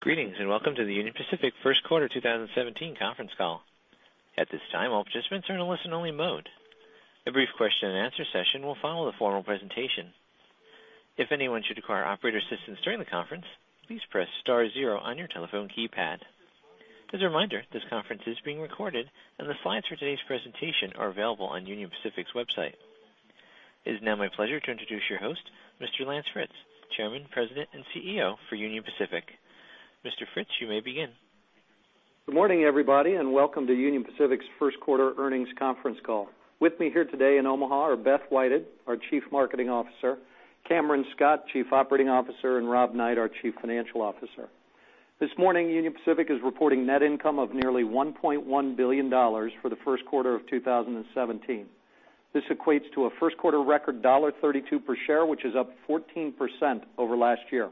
Greetings, welcome to the Union Pacific first quarter 2017 conference call. At this time, all participants are in a listen-only mode. A brief question-and-answer session will follow the formal presentation. If anyone should require operator assistance during the conference, please press star zero on your telephone keypad. As a reminder, this conference is being recorded, the slides for today's presentation are available on Union Pacific's website. It is now my pleasure to introduce your host, Mr. Lance Fritz, Chairman, President, and CEO for Union Pacific. Mr. Fritz, you may begin. Good morning, everybody, welcome to Union Pacific's first-quarter earnings conference call. With me here today in Omaha are Beth Whited, our Chief Marketing Officer; Cameron Scott, Chief Operating Officer; and Rob Knight, our Chief Financial Officer. This morning, Union Pacific is reporting net income of nearly $1.1 billion for the first quarter of 2017. This equates to a first-quarter record $1.32 per share, which is up 14% over last year.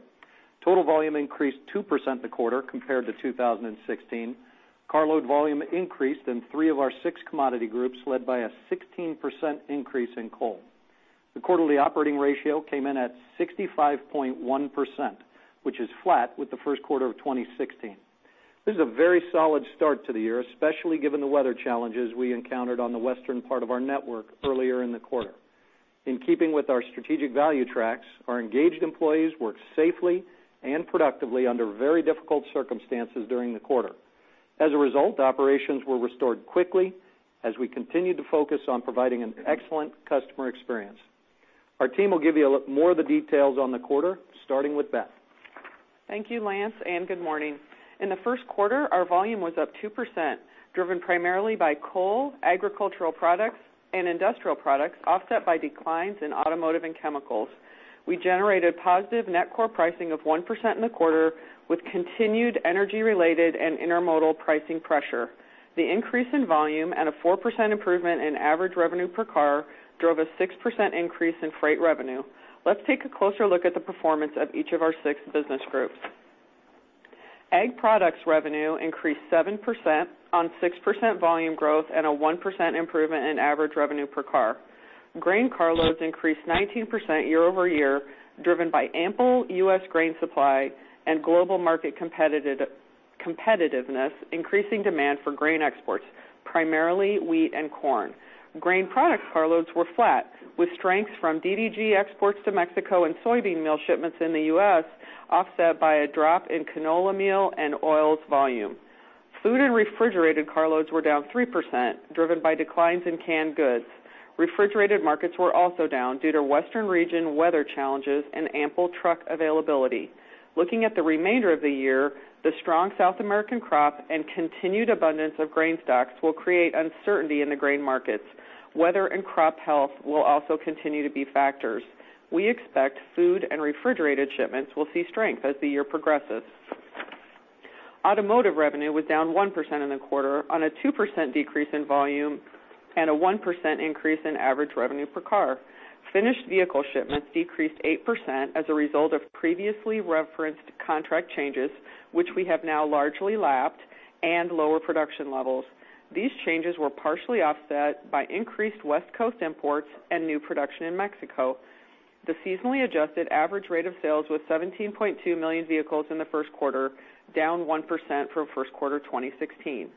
Total volume increased 2% the quarter compared to 2016. Car load volume increased in three of our six commodity groups, led by a 16% increase in coal. The quarterly operating ratio came in at 65.1%, which is flat with the first quarter of 2016. This is a very solid start to the year, especially given the weather challenges we encountered on the western part of our network earlier in the quarter. In keeping with our strategic Value Tracks, our engaged employees worked safely and productively under very difficult circumstances during the quarter. As a result, operations were restored quickly as we continued to focus on providing an excellent customer experience. Our team will give you more of the details on the quarter, starting with Beth. Thank you, Lance, good morning. In the first quarter, our volume was up 2%, driven primarily by coal, agricultural products, and industrial products, offset by declines in automotive and chemicals. We generated positive net core pricing of 1% in the quarter with continued energy-related and intermodal pricing pressure. The increase in volume and a 4% improvement in average revenue per car drove a 6% increase in freight revenue. Let's take a closer look at the performance of each of our six business groups. Ag products revenue increased 7% on 6% volume growth and a 1% improvement in average revenue per car. Grain car loads increased 19% year-over-year, driven by ample U.S. grain supply and global market competitiveness, increasing demand for grain exports, primarily wheat and corn. Grain products car loads were flat, with strengths from DDG exports to Mexico and soybean meal shipments in the U.S., offset by a drop in canola meal and oils volume. Food and refrigerated car loads were down 3%, driven by declines in canned goods. Refrigerated markets were also down due to Western region weather challenges and ample truck availability. Looking at the remainder of the year, the strong South American crop and continued abundance of grain stocks will create uncertainty in the grain markets. Weather and crop health will also continue to be factors. We expect food and refrigerated shipments will see strength as the year progresses. Automotive revenue was down 1% in the quarter on a 2% decrease in volume and a 1% increase in average revenue per car. Finished vehicle shipments decreased 8% as a result of previously referenced contract changes, which we have now largely lapped and lower production levels. These changes were partially offset by increased West Coast imports and new production in Mexico. The seasonally adjusted average rate of sales was 17.2 million vehicles in the first quarter, down 1% from first quarter 2016.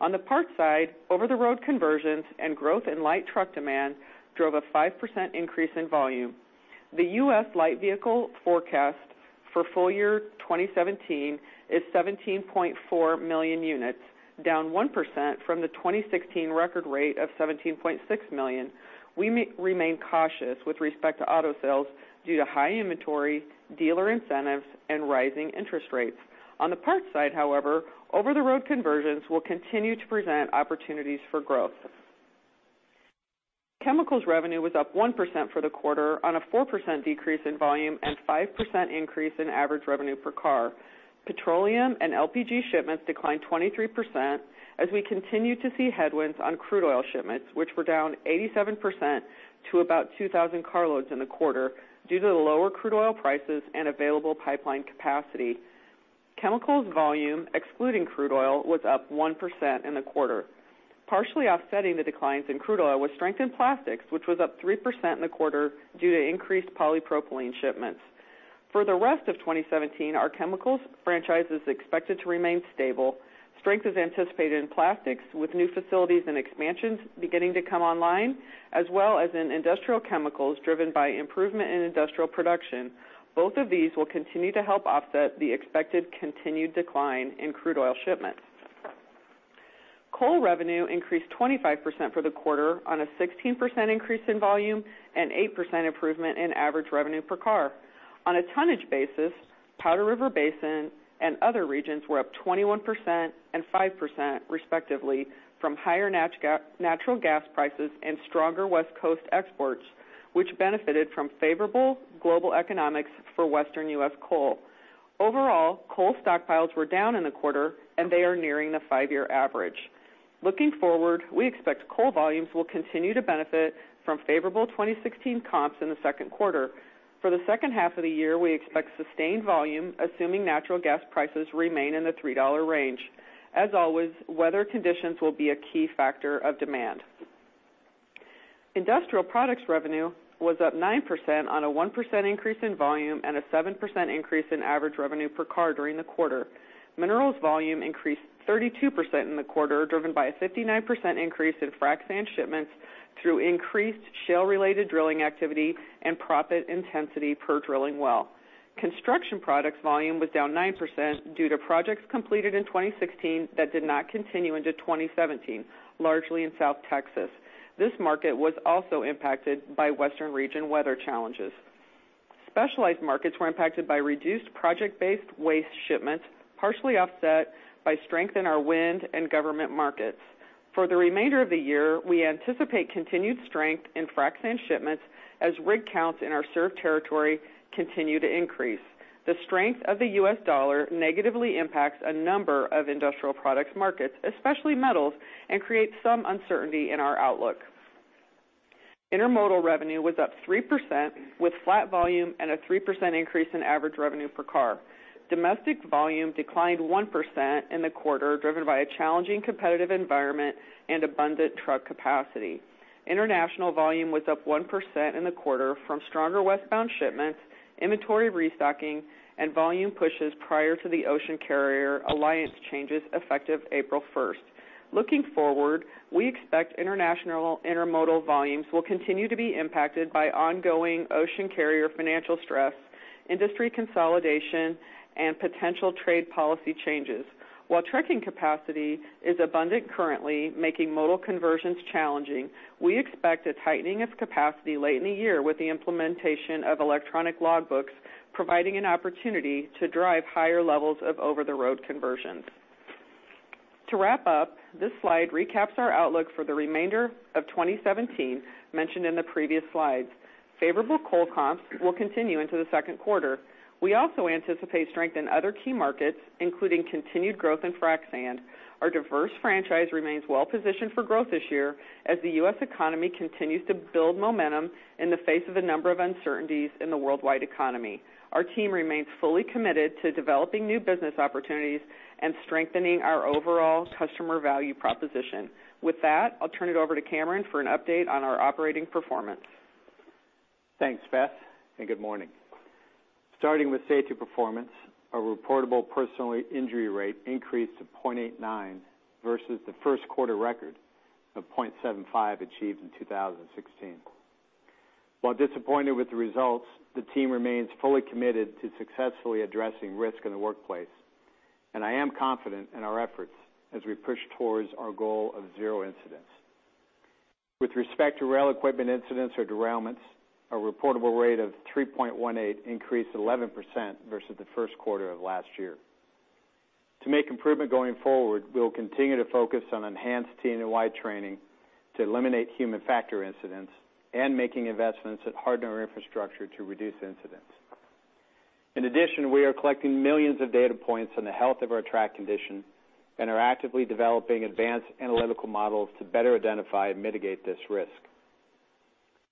On the parts side, over-the-road conversions and growth in light truck demand drove a 5% increase in volume. The U.S. light vehicle forecast for full year 2017 is 17.4 million units, down 1% from the 2016 record rate of 17.6 million. We remain cautious with respect to auto sales due to high inventory, dealer incentives, and rising interest rates. On the parts side, however, over-the-road conversions will continue to present opportunities for growth. Chemicals revenue was up 1% for the quarter on a 4% decrease in volume and 5% increase in average revenue per car. Petroleum and LPG shipments declined 23% as we continue to see headwinds on crude oil shipments, which were down 87% to about 2,000 car loads in the quarter due to the lower crude oil prices and available pipeline capacity. Chemicals volume, excluding crude oil, was up 1% in the quarter. Partially offsetting the declines in crude oil was strength in plastics, which was up 3% in the quarter due to increased polypropylene shipments. For the rest of 2017, our chemicals franchise is expected to remain stable. Strength is anticipated in plastics, with new facilities and expansions beginning to come online, as well as in industrial chemicals, driven by improvement in industrial production. Both of these will continue to help offset the expected continued decline in crude oil shipments. Coal revenue increased 25% for the quarter on a 16% increase in volume and 8% improvement in average revenue per car. On a tonnage basis, Powder River Basin and other regions were up 21% and 5% respectively from higher natural gas prices and stronger West Coast exports, which benefited from favorable global economics for Western U.S. coal. Overall, coal stockpiles were down in the quarter, and they are nearing the five-year average. Looking forward, we expect coal volumes will continue to benefit from favorable 2016 comps in the second quarter. For the second half of the year, we expect sustained volume, assuming natural gas prices remain in the $3 range. As always, weather conditions will be a key factor of demand. Industrial products revenue was up 9% on a 1% increase in volume and a 7% increase in average revenue per car during the quarter. Minerals volume increased 32% in the quarter, driven by a 59% increase in frac sand shipments through increased shale-related drilling activity and proppant intensity per drilling well. Construction products volume was down 9% due to projects completed in 2016 that did not continue into 2017, largely in South Texas. This market was also impacted by Western region weather challenges. Specialized markets were impacted by reduced project-based waste shipments, partially offset by strength in our wind and government markets. For the remainder of the year, we anticipate continued strength in frac sand shipments as rig counts in our served territory continue to increase. The strength of the U.S. dollar negatively impacts a number of industrial products markets, especially metals, and creates some uncertainty in our outlook. Intermodal revenue was up 3%, with flat volume and a 3% increase in average revenue per car. Domestic volume declined 1% in the quarter, driven by a challenging competitive environment and abundant truck capacity. International volume was up 1% in the quarter from stronger westbound shipments, inventory restocking, and volume pushes prior to the ocean carrier alliance changes effective April 1st. Looking forward, we expect international intermodal volumes will continue to be impacted by ongoing ocean carrier financial stress, industry consolidation, and potential trade policy changes. While trucking capacity is abundant currently, making modal conversions challenging, we expect a tightening of capacity late in the year with the implementation of electronic logbooks, providing an opportunity to drive higher levels of over-the-road conversions. To wrap up, this slide recaps our outlook for the remainder of 2017 mentioned in the previous slides. Favorable coal comps will continue into the second quarter. We also anticipate strength in other key markets, including continued growth in frac sand. Our diverse franchise remains well-positioned for growth this year as the U.S. economy continues to build momentum in the face of a number of uncertainties in the worldwide economy. Our team remains fully committed to developing new business opportunities and strengthening our overall customer value proposition. With that, I'll turn it over to Cameron for an update on our operating performance. Thanks, Beth, and good morning. Starting with safety performance, our reportable personal injury rate increased to 0.89 versus the first quarter record of 0.75 achieved in 2016. While disappointed with the results, the team remains fully committed to successfully addressing risk in the workplace, and I am confident in our efforts as we push towards our goal of zero incidents. With respect to rail equipment incidents or derailments, our reportable rate of 3.18 increased 11% versus the first quarter of last year. To make improvement going forward, we will continue to focus on enhanced TE&Y training to eliminate human factor incidents and making investments in hard infrastructure to reduce incidents. In addition, we are collecting millions of data points on the health of our track condition and are actively developing advanced analytical models to better identify and mitigate this risk.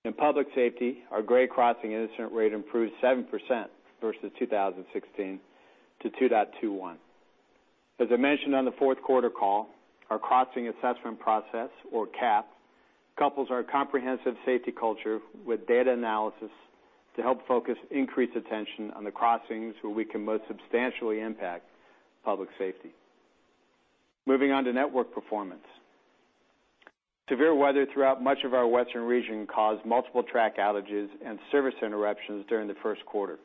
In public safety, our grade crossing incident rate improved 7% versus 2016 to 2.21. As I mentioned on the fourth quarter call, our crossing assessment process, or CAP, couples our comprehensive safety culture with data analysis to help focus increased attention on the crossings where we can most substantially impact public safety. Moving on to network performance. Severe weather throughout much of our Western region caused multiple track outages and service interruptions during the first quarter.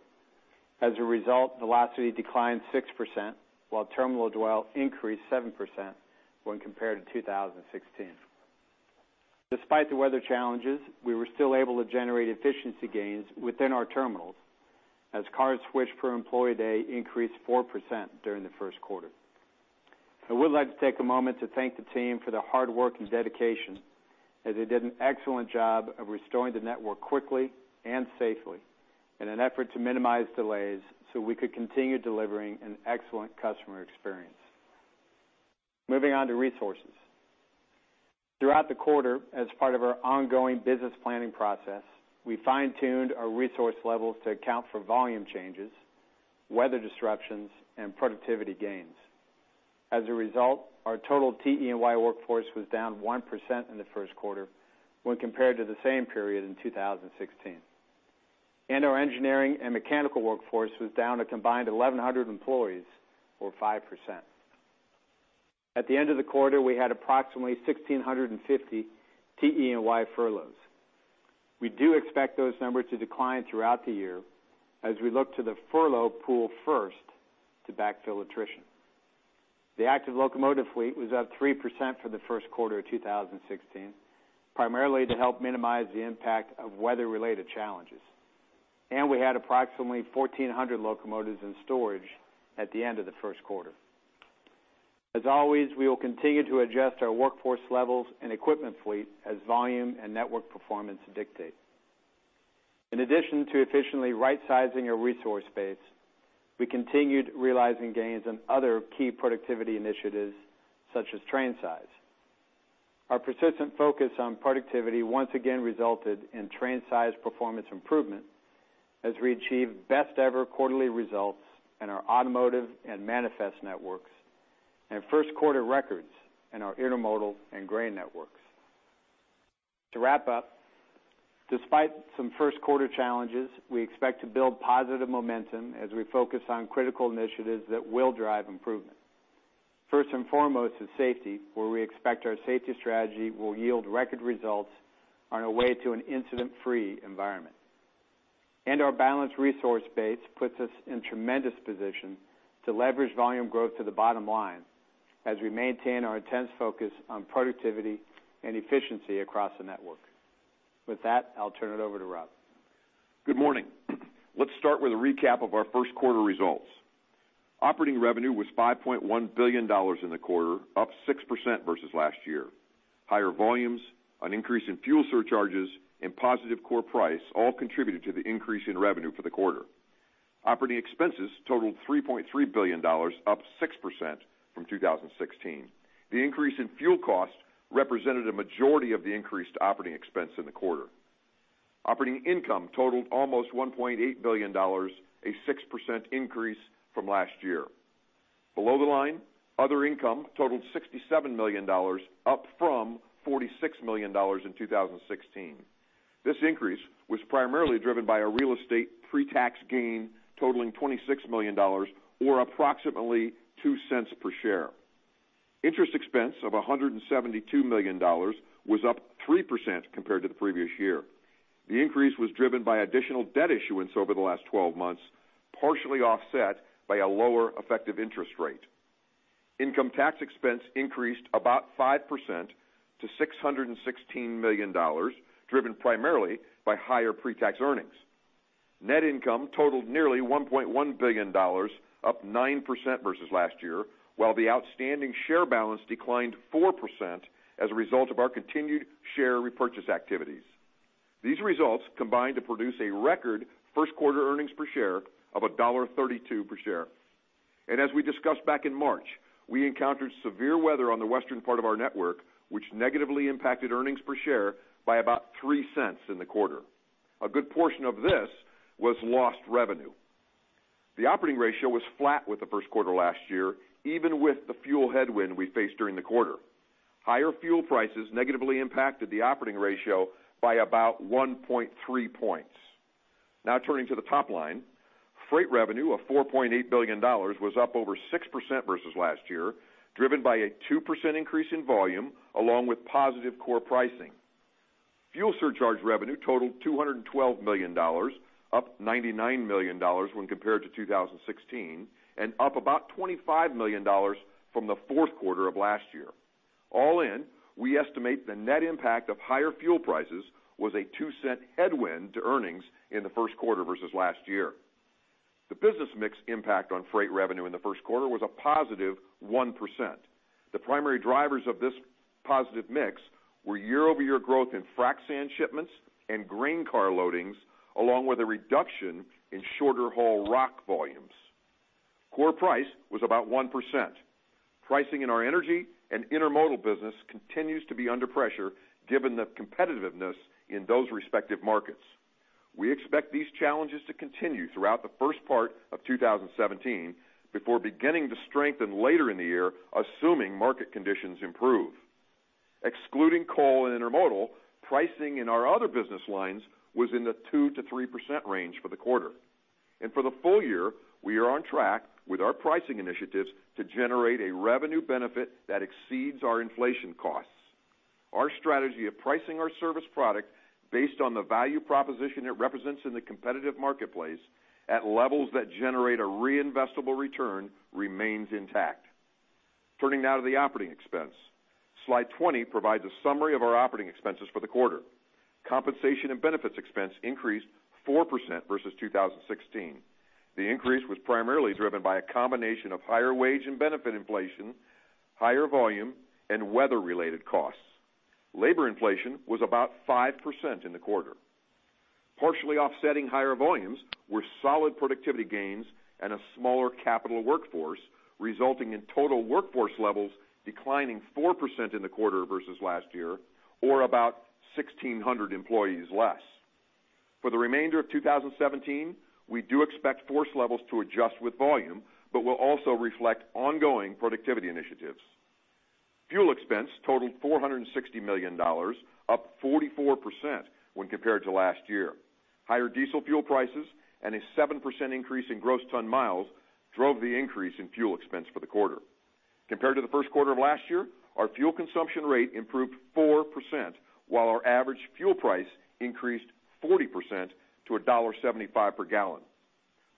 As a result, velocity declined 6%, while terminal dwell increased 7% when compared to 2016. Despite the weather challenges, we were still able to generate efficiency gains within our terminals as cars switched per employee day increased 4% during the first quarter. I would like to take a moment to thank the team for their hard work and dedication, as they did an excellent job of restoring the network quickly and safely in an effort to minimize delays so we could continue delivering an excellent customer experience. Moving on to resources. Throughout the quarter, as part of our ongoing business planning process, we fine-tuned our resource levels to account for volume changes, weather disruptions, and productivity gains. As a result, our total TE&Y workforce was down 1% in the first quarter when compared to the same period in 2016. Our engineering and mechanical workforce was down a combined 1,100 employees, or 5%. At the end of the quarter, we had approximately 1,650 TE&Y furloughs. We do expect those numbers to decline throughout the year as we look to the furlough pool first to backfill attrition. The active locomotive fleet was up 3% for the first quarter of 2016, primarily to help minimize the impact of weather-related challenges. We had approximately 1,400 locomotives in storage at the end of the first quarter. As always, we will continue to adjust our workforce levels and equipment fleet as volume and network performance dictate. In addition to efficiently rightsizing our resource base, we continued realizing gains on other key productivity initiatives such as train size. Our persistent focus on productivity once again resulted in train size performance improvement as we achieved best-ever quarterly results in our automotive and manifest networks And first quarter records in our intermodal and grain networks. To wrap up, despite some first quarter challenges, we expect to build positive momentum as we focus on critical initiatives that will drive improvement. First and foremost is safety, where we expect our safety strategy will yield record results on a way to an incident-free environment. Our balanced resource base puts us in tremendous position to leverage volume growth to the bottom line as we maintain our intense focus on productivity and efficiency across the network. With that, I'll turn it over to Rob. Good morning. Let's start with a recap of our first quarter results. Operating revenue was $5.1 billion in the quarter, up 6% versus last year. Higher volumes, an increase in fuel surcharges, and positive core price all contributed to the increase in revenue for the quarter. Operating expenses totaled $3.3 billion, up 6% from 2016. The increase in fuel cost represented a majority of the increased operating expense in the quarter. Operating income totaled almost $1.8 billion, a 6% increase from last year. Below the line, other income totaled $67 million, up from $46 million in 2016. This increase was primarily driven by a real estate pre-tax gain totaling $26 million or approximately $0.02 per share. Interest expense of $172 million was up 3% compared to the previous year. The increase was driven by additional debt issuance over the last 12 months, partially offset by a lower effective interest rate. Income tax expense increased about 5% to $616 million, driven primarily by higher pre-tax earnings. Net income totaled nearly $1.1 billion, up 9% versus last year, while the outstanding share balance declined 4% as a result of our continued share repurchase activities. These results combined to produce a record first quarter earnings per share of $1.32 per share. As we discussed back in March, we encountered severe weather on the western part of our network, which negatively impacted earnings per share by about $0.03 in the quarter. A good portion of this was lost revenue. The operating ratio was flat with the first quarter last year, even with the fuel headwind we faced during the quarter. Higher fuel prices negatively impacted the operating ratio by about 1.3 points. Now turning to the top line. Freight revenue of $4.8 billion was up over 6% versus last year, driven by a 2% increase in volume along with positive core pricing. Fuel surcharge revenue totaled $212 million, up $99 million when compared to 2016, and up about $25 million from the fourth quarter of last year. All in, we estimate the net impact of higher fuel prices was a $0.02 headwind to earnings in the first quarter versus last year. The business mix impact on freight revenue in the first quarter was a positive 1%. The primary drivers of this positive mix were year-over-year growth in frac sand shipments and grain car loadings, along with a reduction in shorter-haul rock volumes. Core price was about 1%. Pricing in our energy and intermodal business continues to be under pressure given the competitiveness in those respective markets. We expect these challenges to continue throughout the first part of 2017 before beginning to strengthen later in the year, assuming market conditions improve. Excluding coal and intermodal, pricing in our other business lines was in the 2%-3% range for the quarter. For the full year, we are on track with our pricing initiatives to generate a revenue benefit that exceeds our inflation costs. Our strategy of pricing our service product based on the value proposition it represents in the competitive marketplace at levels that generate a reinvestable return remains intact. Turning now to the operating expense. Slide 20 provides a summary of our operating expenses for the quarter. Compensation and benefits expense increased 4% versus 2016. The increase was primarily driven by a combination of higher wage and benefit inflation, higher volume, and weather-related costs. Labor inflation was about 5% in the quarter. Partially offsetting higher volumes were solid productivity gains and a smaller capital workforce, resulting in total workforce levels declining 4% in the quarter versus last year, or about 1,600 employees less. For the remainder of 2017, we do expect force levels to adjust with volume, but will also reflect ongoing productivity initiatives. Fuel expense totaled $460 million, up 44% when compared to last year. Higher diesel fuel prices and a 7% increase in gross ton miles drove the increase in fuel expense for the quarter. Compared to the first quarter of last year, our fuel consumption rate improved 4%, while our average fuel price increased 40% to $1.75 per gallon.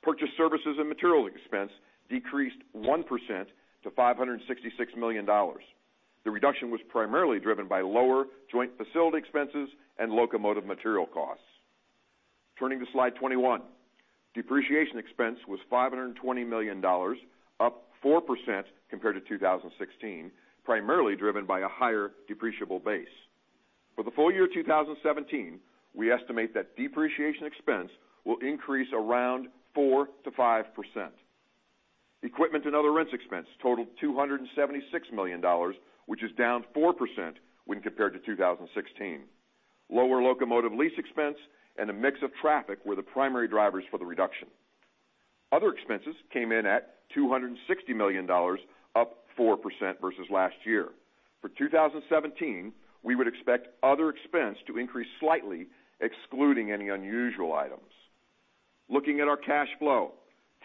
Purchased services and material expense decreased 1% to $566 million. The reduction was primarily driven by lower joint facility expenses and locomotive material costs. Turning to slide 21, depreciation expense was $520 million, up 4% compared to 2016, primarily driven by a higher depreciable base. For the full year 2017, we estimate that depreciation expense will increase around 4%-5%. Equipment and other rents expense totaled $276 million, which is down 4% when compared to 2016. Lower locomotive lease expense and a mix of traffic were the primary drivers for the reduction. Other expenses came in at $260 million, up 4% versus last year. For 2017, we would expect other expense to increase slightly, excluding any unusual items. Looking at our cash flow,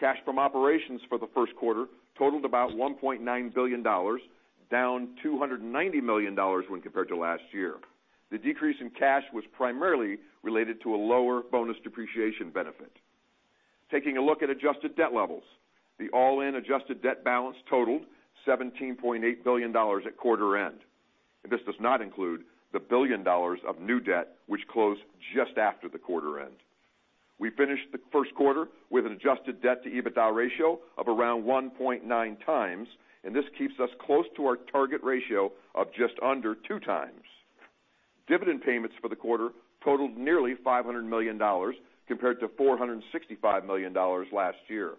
cash from operations for the first quarter totaled about $1.9 billion, down $290 million when compared to last year. The decrease in cash was primarily related to a lower bonus depreciation benefit. Taking a look at adjusted debt levels, the all-in adjusted debt balance totaled $17.8 billion at quarter end. This does not include the $1 billion of new debt which closed just after the quarter end. We finished the first quarter with an adjusted debt to EBITDA ratio of around 1.9 times. This keeps us close to our target ratio of just under two times. Dividend payments for the quarter totaled nearly $500 million compared to $465 million last year.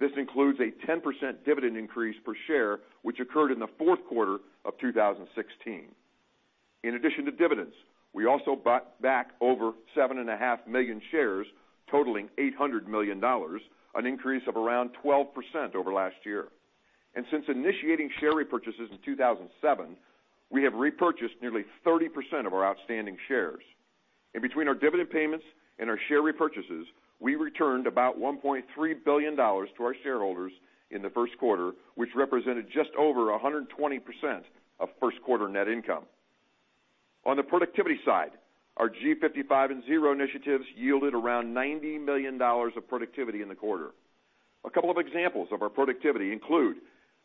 This includes a 10% dividend increase per share, which occurred in the fourth quarter of 2016. In addition to dividends, we also bought back over seven and a half million shares totaling $800 million, an increase of around 12% over last year. Since initiating share repurchases in 2007, we have repurchased nearly 30% of our outstanding shares. Between our dividend payments and our share repurchases, we returned about $1.3 billion to our shareholders in the first quarter, which represented just over 120% of first quarter net income. On the productivity side, our G55 and Zero initiatives yielded around $90 million of productivity in the quarter. A couple of examples of our productivity include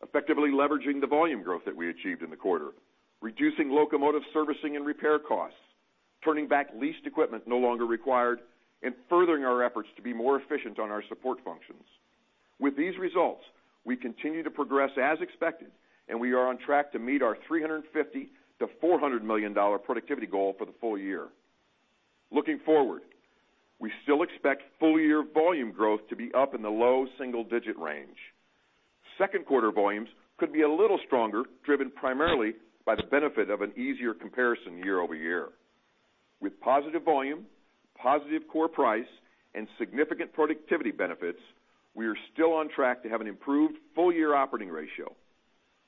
effectively leveraging the volume growth that we achieved in the quarter, reducing locomotive servicing and repair costs, turning back leased equipment no longer required, and furthering our efforts to be more efficient on our support functions. With these results, we continue to progress as expected, and we are on track to meet our $350 million-$400 million productivity goal for the full year. Looking forward, we still expect full-year volume growth to be up in the low single-digit range. Second quarter volumes could be a little stronger, driven primarily by the benefit of an easier comparison year-over-year. With positive volume, positive core price, and significant productivity benefits, we are still on track to have an improved full-year operating ratio.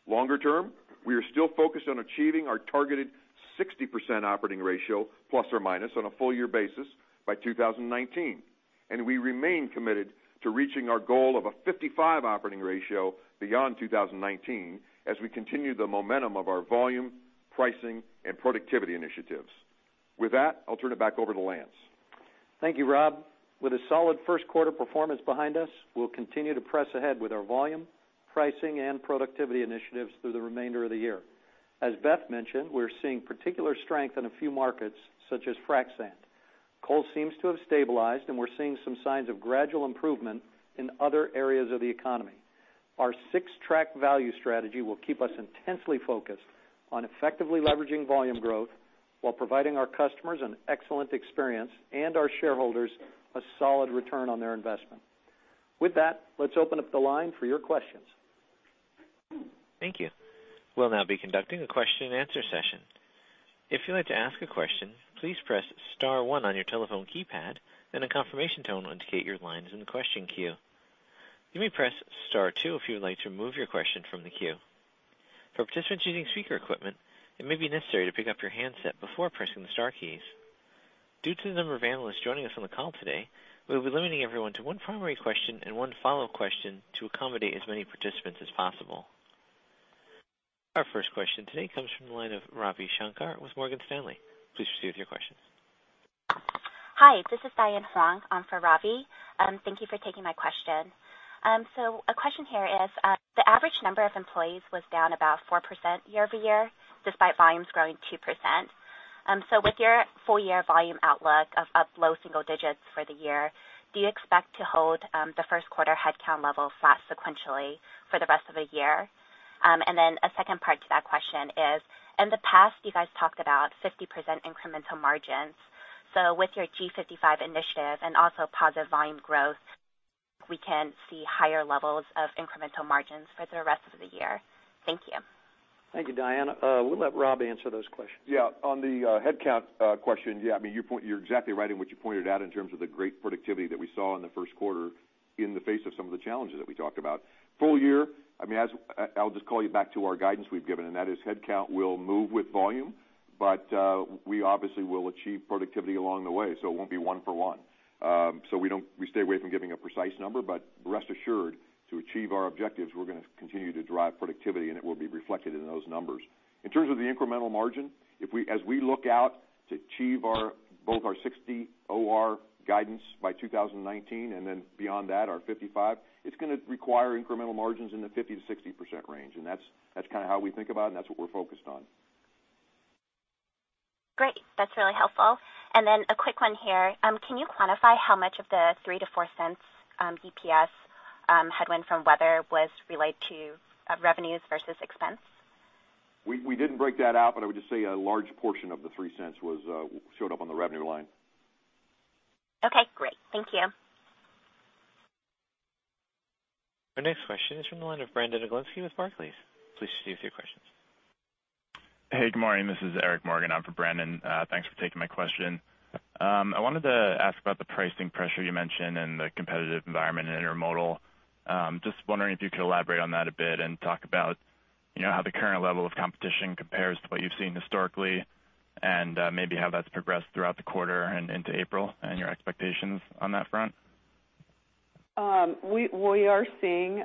Longer term, we are still focused on achieving our targeted 60% operating ratio, ± on a full-year basis by 2019, and we remain committed to reaching our goal of a 55 operating ratio beyond 2019 as we continue the momentum of our volume, pricing, and productivity initiatives. With that, I'll turn it back over to Lance. Thank you, Rob. With a solid first quarter performance behind us, we'll continue to press ahead with our volume, pricing, and productivity initiatives through the remainder of the year. As Beth mentioned, we're seeing particular strength in a few markets, such as frac sand. Coal seems to have stabilized, and we're seeing some signs of gradual improvement in other areas of the economy. Our six value tracks strategy will keep us intensely focused on effectively leveraging volume growth while providing our customers an excellent experience and our shareholders a solid return on their investment. With that, let's open up the line for your questions. Thank you. We'll now be conducting a question and answer session. If you'd like to ask a question, please press *1 on your telephone keypad, then a confirmation tone will indicate your line is in the question queue. You may press *2 if you would like to remove your question from the queue. For participants using speaker equipment, it may be necessary to pick up your handset before pressing the star keys. Due to the number of analysts joining us on the call today, we'll be limiting everyone to one primary question and one follow question to accommodate as many participants as possible. Our first question today comes from the line of Ravi Shanker with Morgan Stanley. Please proceed with your question. Hi, this is Diane Huang. I'm for Ravi. Thank you for taking my question. A question here is, the average number of employees was down about 4% year-over-year, despite volumes growing 2%. With your full-year volume outlook of up low single digits for the year, do you expect to hold the first quarter headcount level flat sequentially for the rest of the year? A second part to that question is, in the past, you guys talked about 50% incremental margins. With your G55 initiative and also positive volume growth, we can see higher levels of incremental margins for the rest of the year. Thank you. Thank you, Diane. We'll let Rob answer those questions. On the headcount question, you're exactly right in what you pointed out in terms of the great productivity that we saw in the first quarter in the face of some of the challenges that we talked about. Full year, I'll just call you back to our guidance we've given, that is headcount will move with volume, but we obviously will achieve productivity along the way, so it won't be one for one. We stay away from giving a precise number, but rest assured, to achieve our objectives, we're going to continue to drive productivity, and it will be reflected in those numbers. In terms of the incremental margin, as we look out to achieve both our 60 OR guidance by 2019 and then beyond that, our 55, it's going to require incremental margins in the 50%-60% range, that's how we think about it, and that's what we're focused on. Great. That's really helpful. Then a quick one here. Can you quantify how much of the $0.03-$0.04 EPS headwind from weather was related to revenues versus expense? We didn't break that out, I would just say a large portion of the $0.03 showed up on the revenue line. Okay, great. Thank you. Our next question is from the line of Brandon Oglenski on Barclays. Please proceed with your questions. Hey, good morning. This is Eric Morgan on for Brandon. Thanks for taking my question. I wanted to ask about the pricing pressure you mentioned and the competitive environment in Intermodal. Just wondering if you could elaborate on that a bit and talk about how the current level of competition compares to what you've seen historically, and maybe how that's progressed throughout the quarter and into April, and your expectations on that front. We are seeing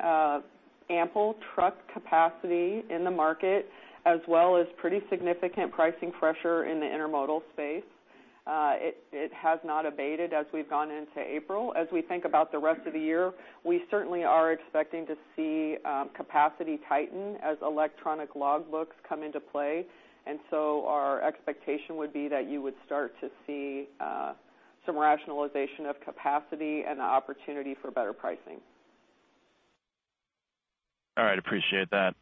ample truck capacity in the market, as well as pretty significant pricing pressure in the Intermodal space. It has not abated as we've gone into April. As we think about the rest of the year, we certainly are expecting to see capacity tighten as electronic logbooks come into play. So our expectation would be that you would start to see some rationalization of capacity and the opportunity for better pricing. All right, appreciate that.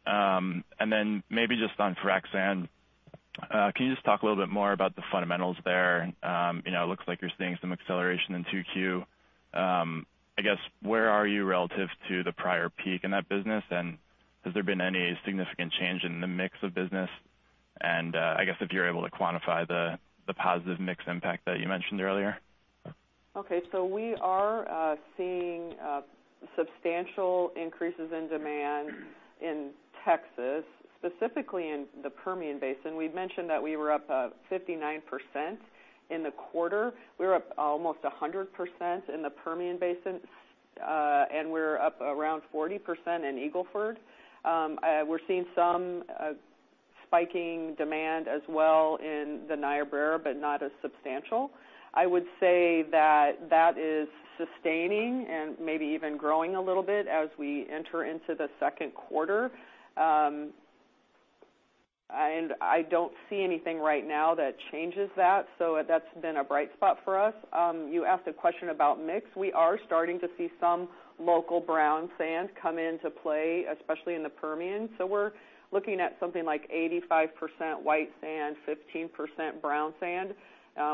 Maybe just on frac sand. Can you just talk a little bit more about the fundamentals there? It looks like you're seeing some acceleration in 2Q. I guess, where are you relative to the prior peak in that business? Has there been any significant change in the mix of business? I guess, if you're able to quantify the positive mix impact that you mentioned earlier? Okay. We are seeing substantial increases in demand in Texas, specifically in the Permian Basin. We've mentioned that we were up 59% in the quarter. We were up almost 100% in the Permian Basin. We're up around 40% in Eagle Ford. We're seeing some spiking demand as well in the Niobrara, but not as substantial. I would say that that is sustaining and maybe even growing a little bit as we enter into the second quarter. I don't see anything right now that changes that. That's been a bright spot for us. You asked a question about mix. We are starting to see some local brown sand come into play, especially in the Permian. We're looking at something like 85% white sand, 15% brown sand.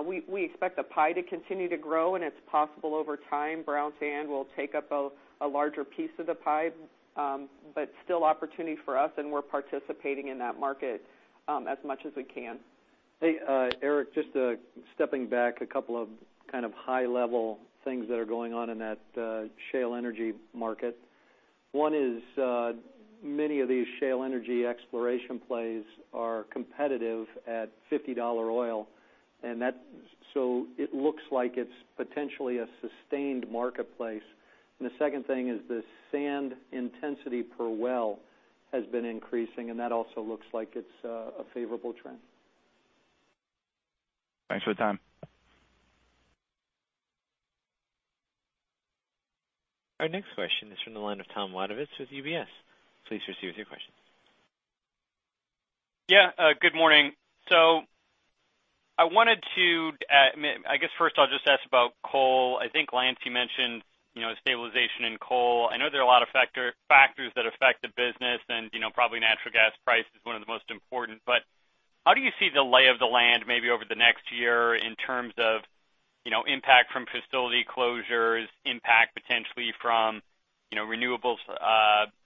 We expect the pie to continue to grow. It's possible over time, brown sand will take up a larger piece of the pie. Still opportunity for us. We're participating in that market as much as we can. Hey, Eric, just stepping back, a couple of kind of high-level things that are going on in that shale energy market. One is, many of these shale energy exploration plays are competitive at $50 oil. The second thing is the sand intensity per well has been increasing. That also looks like it's a favorable trend. Thanks for the time. Our next question is from the line of Tom Wadewitz with UBS. Please proceed with your question. Good morning. I wanted to. I guess first I'll just ask about coal. I think Lance, you mentioned stabilization in coal. I know there are a lot of factors that affect the business and probably natural gas price is one of the most important, but how do you see the lay of the land maybe over the next year in terms of impact from facility closures, impact potentially from renewables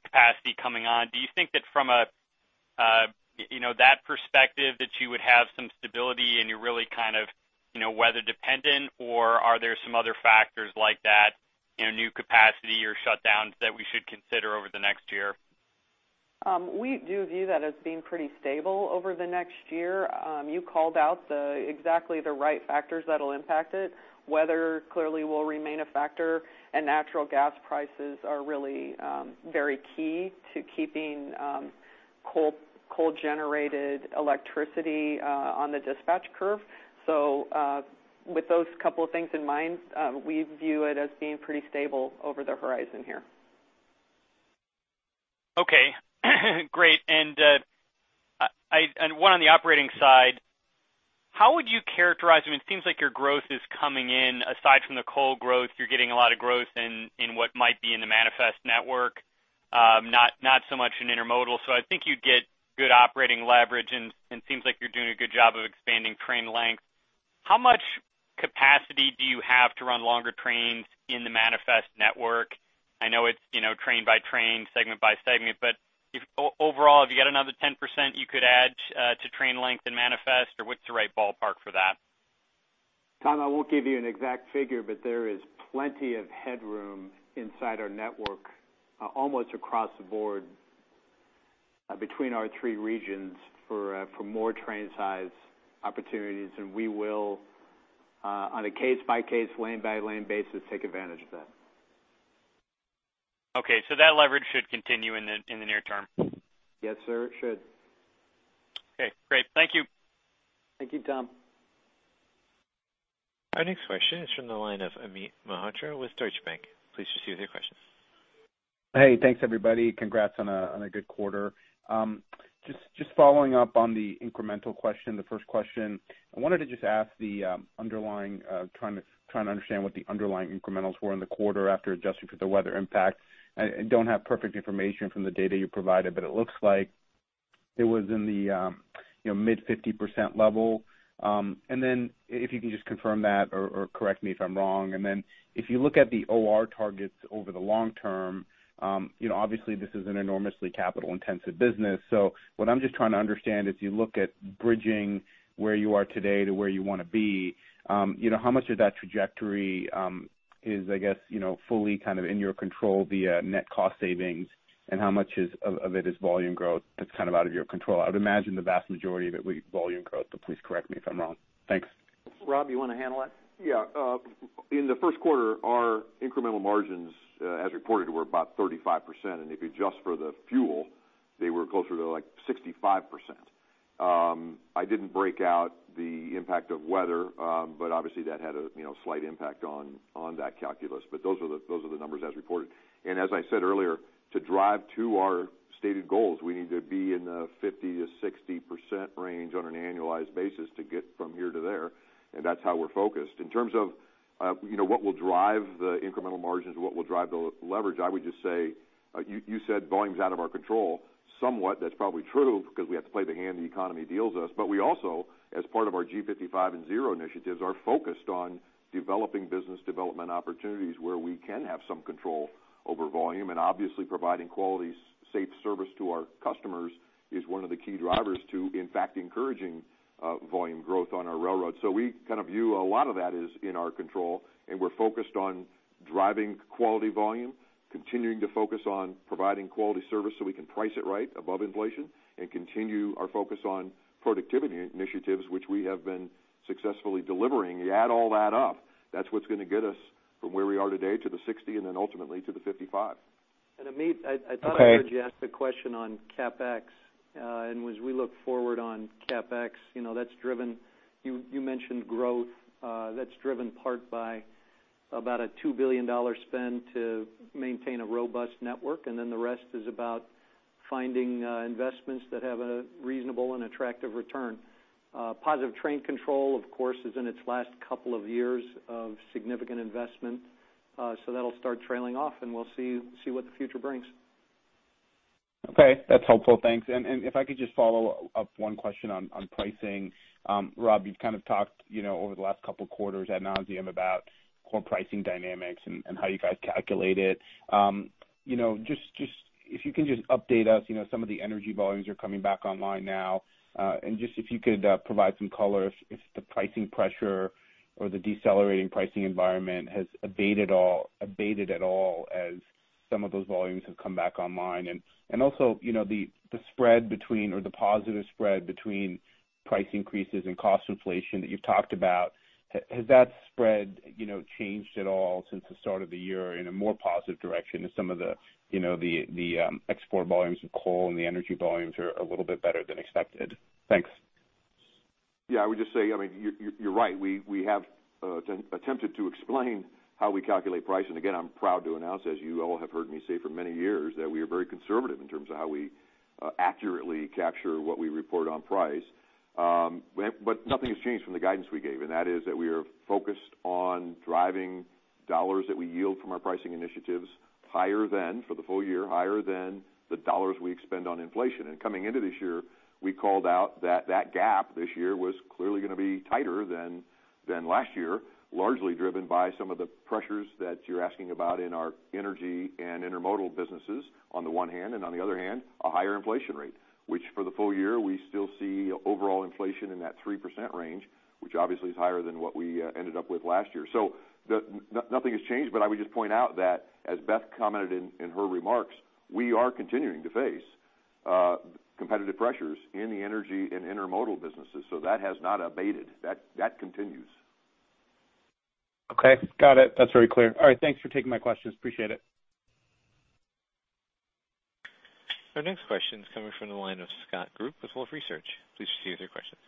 capacity coming on? Do you think that from that perspective, that you would have some stability and you're really kind of weather dependent, or are there some other factors like that, new capacity or shutdowns that we should consider over the next year? We do view that as being pretty stable over the next year. You called out exactly the right factors that'll impact it. Weather clearly will remain a factor, and natural gas prices are really very key to keeping coal-generated electricity on the dispatch curve. With those couple of things in mind, we view it as being pretty stable over the horizon here. Okay. Great. One on the operating side, how would you characterize them? It seems like your growth is coming in, aside from the coal growth, you're getting a lot of growth in what might be in the manifest network. Not so much in Intermodal. I think you get good operating leverage, and it seems like you're doing a good job of expanding train length. How much capacity do you have to run longer trains in the manifest network? I know it's train by train, segment by segment. Overall, have you got another 10% you could add to train length and manifest, or what's the right ballpark for that? Tom, I won't give you an exact figure, there is plenty of headroom inside our network, almost across the board between our three regions for more train size opportunities. We will, on a case-by-case, lane-by-lane basis, take advantage of that. Okay. That leverage should continue in the near term. Yes, sir. It should. Okay, great. Thank you. Thank you, Tom. Our next question is from the line of Amit Mehrotra with Deutsche Bank. Please proceed with your question. Hey, thanks, everybody. Congrats on a good quarter. Just following up on the incremental question, the first question, trying to understand what the underlying incrementals were in the quarter after adjusting for the weather impact. I don't have perfect information from the data you provided, but it looks like it was in the mid 50% level. If you can just confirm that or correct me if I'm wrong. If you look at the OR targets over the long term, obviously this is an enormously capital-intensive business. What I'm just trying to understand, as you look at bridging where you are today to where you want to be, how much of that trajectory is, I guess, fully in your control via net cost savings, and how much of it is volume growth that's out of your control? I would imagine the vast majority of it would be volume growth, but please correct me if I'm wrong. Thanks. Rob, you want to handle that? Yeah. In the first quarter, our incremental margins, as reported, were about 35%, and if you adjust for the fuel, they were closer to like 65%. I didn't break out the impact of weather, but obviously that had a slight impact on that calculus. Those are the numbers as reported. As I said earlier, to drive to our stated goals, we need to be in the 50%-60% range on an annualized basis to get from here to there, and that's how we're focused. In terms of what will drive the incremental margins, what will drive the leverage, I would just say, you said volume's out of our control. Somewhat that's probably true, because we have to play the hand the economy deals us. We also, as part of our G55 and Zero initiatives, are focused on developing business development opportunities where we can have some control over volume. Obviously providing quality, safe service to our customers is one of the key drivers to, in fact, encouraging volume growth on our railroad. We view a lot of that is in our control, and we're focused on driving quality volume, continuing to focus on providing quality service so we can price it right above inflation, and continue our focus on productivity initiatives, which we have been successfully delivering. You add all that up, that's what's going to get us from where we are today to the 60% and then ultimately to the 55%. Amit, Okay I heard you ask the question on CapEx. As we look forward on CapEx, you mentioned growth, that's driven in part by about a $2 billion spend to maintain a robust network, the rest is about finding investments that have a reasonable and attractive return. Positive Train Control, of course, is in its last couple of years of significant investment. That'll start trailing off, and we'll see what the future brings. Okay. That's helpful. Thanks. If I could just follow up one question on pricing. Rob, you've talked over the last couple of quarters ad nauseam about core pricing dynamics and how you guys calculate it. If you can just update us, some of the energy volumes are coming back online now, and just if you could provide some color if the pricing pressure or the decelerating pricing environment has abated at all as some of those volumes have come back online. Also, the positive spread between price increases and cost inflation that you've talked about, has that spread changed at all since the start of the year in a more positive direction as some of the export volumes of coal and the energy volumes are a little bit better than expected? Thanks. Yeah, I would just say, you're right. We have attempted to explain how we calculate price. Again, I'm proud to announce, as you all have heard me say for many years, that we are very conservative in terms of how we accurately capture what we report on price. Nothing has changed from the guidance we gave, and that is that we are focused on driving dollars that we yield from our pricing initiatives for the full year, higher than the dollars we expend on inflation. Coming into this year, we called out that gap this year was clearly going to be tighter than last year, largely driven by some of the pressures that you're asking about in our energy and intermodal businesses on the one hand, and on the other hand, a higher inflation rate. Which for the full year, we still see overall inflation in that 3% range, which obviously is higher than what we ended up with last year. Nothing has changed, I would just point out that, as Beth commented in her remarks, we are continuing to face competitive pressures in the energy and intermodal businesses. That has not abated. That continues. Okay. Got it. That's very clear. All right. Thanks for taking my questions. Appreciate it. Our next question is coming from the line of Scott Group with Wolfe Research. Please proceed with your question.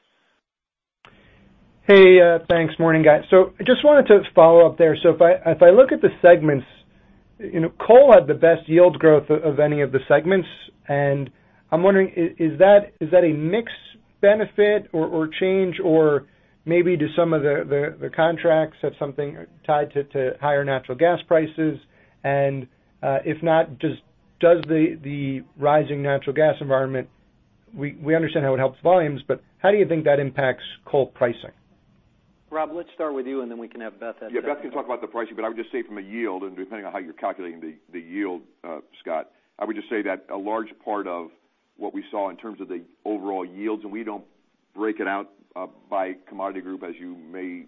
Hey. Thanks. Morning, guys. I just wanted to follow up there. If I look at the segments, coal had the best yield growth of any of the segments. I'm wondering, is that a mix benefit or change or maybe do some of the contracts have something tied to higher natural gas prices? If not, does the rising natural gas environment, we understand how it helps volumes, but how do you think that impacts coal pricing? Rob, let's start with you, and then we can have Beth add to it. Yeah, Beth can talk about the pricing, but I would just say from a yield and depending on how you're calculating the yield, Scott, I would just say that a large part of what we saw in terms of the overall yields, and we don't break it out by commodity group as you may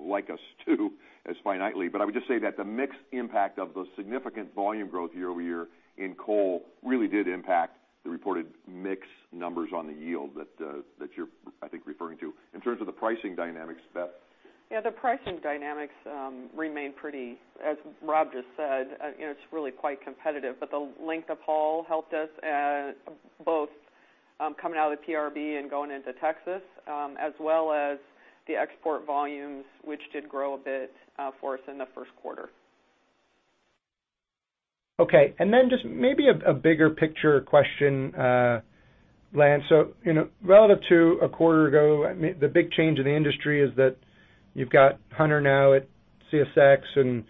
like us to as finitely, but I would just say that the mix impact of the significant volume growth year-over-year in coal really did impact the reported mix numbers on the yield that you're, I think, referring to. In terms of the pricing dynamics, Beth? Yeah, the pricing dynamics remain pretty, as Rob just said, it's really quite competitive, but the length of haul helped us both coming out of the PRB and going into Texas, as well as the export volumes, which did grow a bit for us in the first quarter. Okay. Just maybe a bigger picture question, Lance. Relative to a quarter ago, the big change in the industry is that you've got Hunter now at CSX and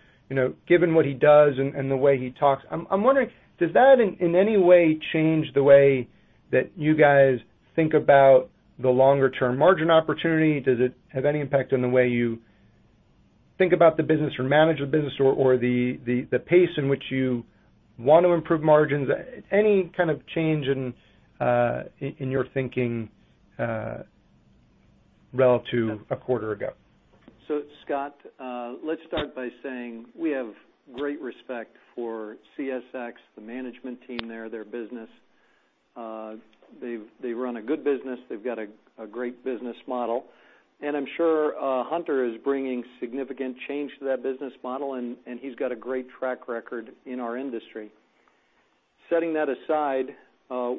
given what he does and the way he talks, I'm wondering, does that in any way change the way that you guys think about the longer-term margin opportunity? Does it have any impact on the way you think about the business or manage the business or the pace in which you want to improve margins? Any kind of change in your thinking relative to a quarter ago? Scott, let's start by saying we have great respect for CSX, the management team there, their business. They run a good business. They've got a great business model, and I'm sure Hunter is bringing significant change to that business model, and he's got a great track record in our industry. Setting that aside,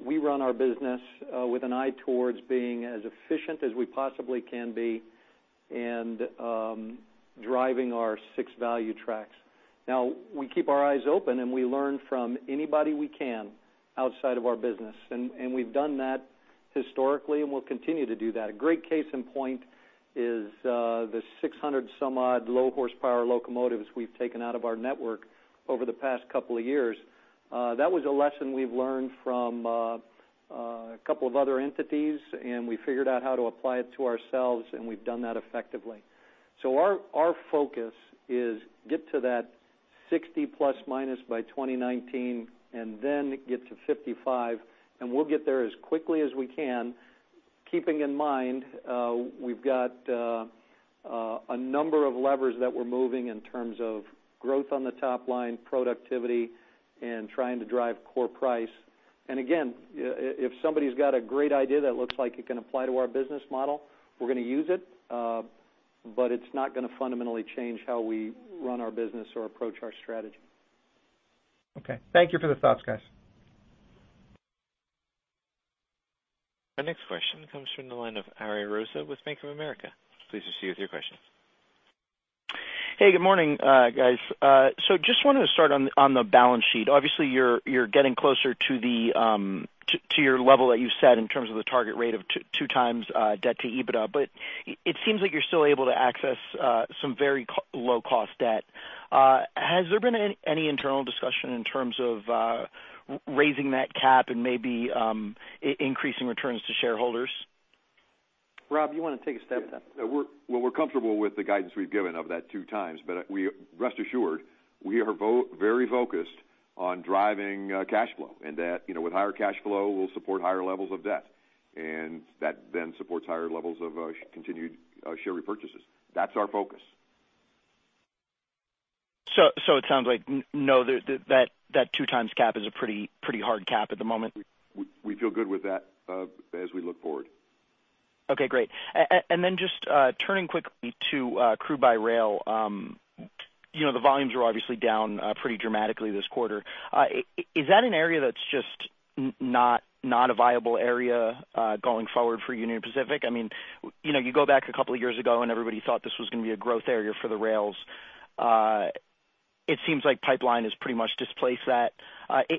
we run our business with an eye towards being as efficient as we possibly can be and driving our six value tracks. Now, we keep our eyes open, and we learn from anybody we can outside of our business, and we've done that historically, and we'll continue to do that. A great case in point is the 600 some odd low horsepower locomotives we've taken out of our network over the past couple of years. That was a lesson we've learned from a couple of other entities, and we figured out how to apply it to ourselves, and we've done that effectively. Our focus is get to that 60 plus minus by 2019 and then get to 55, and we'll get there as quickly as we can, keeping in mind, we've got a number of levers that we're moving in terms of growth on the top line, productivity, and trying to drive core price. Again, if somebody's got a great idea that looks like it can apply to our business model, we're going to use it. It's not going to fundamentally change how we run our business or approach our strategy. Okay. Thank you for the thoughts, guys. Our next question comes from the line of Ariel Rosa with Bank of America. Please proceed with your question. Hey, good morning, guys. Just wanted to start on the balance sheet. Obviously, you're getting closer to your level that you set in terms of the target rate of two times debt to EBITDA. It seems like you're still able to access some very low-cost debt. Has there been any internal discussion in terms of raising that cap and maybe increasing returns to shareholders? Rob, you want to take a stab at that? We're comfortable with the guidance we've given of that two times. Rest assured, we are very focused on driving cash flow and that with higher cash flow, we'll support higher levels of debt, and that then supports higher levels of continued share repurchases. That's our focus. It sounds like no, that two times cap is a pretty hard cap at the moment. We feel good with that as we look forward. Okay, great. Just turning quickly to crude by rail. The volumes are obviously down pretty dramatically this quarter. Is that an area that's just not a viable area going forward for Union Pacific? You go back a couple of years ago, everybody thought this was going to be a growth area for the rails. It seems like pipeline has pretty much displaced that.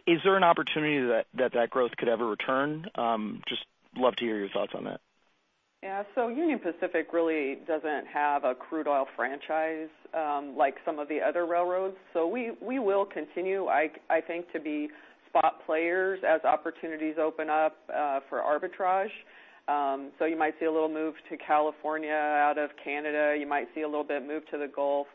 Is there an opportunity that that growth could ever return? Just love to hear your thoughts on that. Yeah. Union Pacific really doesn't have a crude oil franchise like some of the other railroads. We will continue, I think, to be spot players as opportunities open up for arbitrage. You might see a little move to California out of Canada. You might see a little bit move to the Gulf.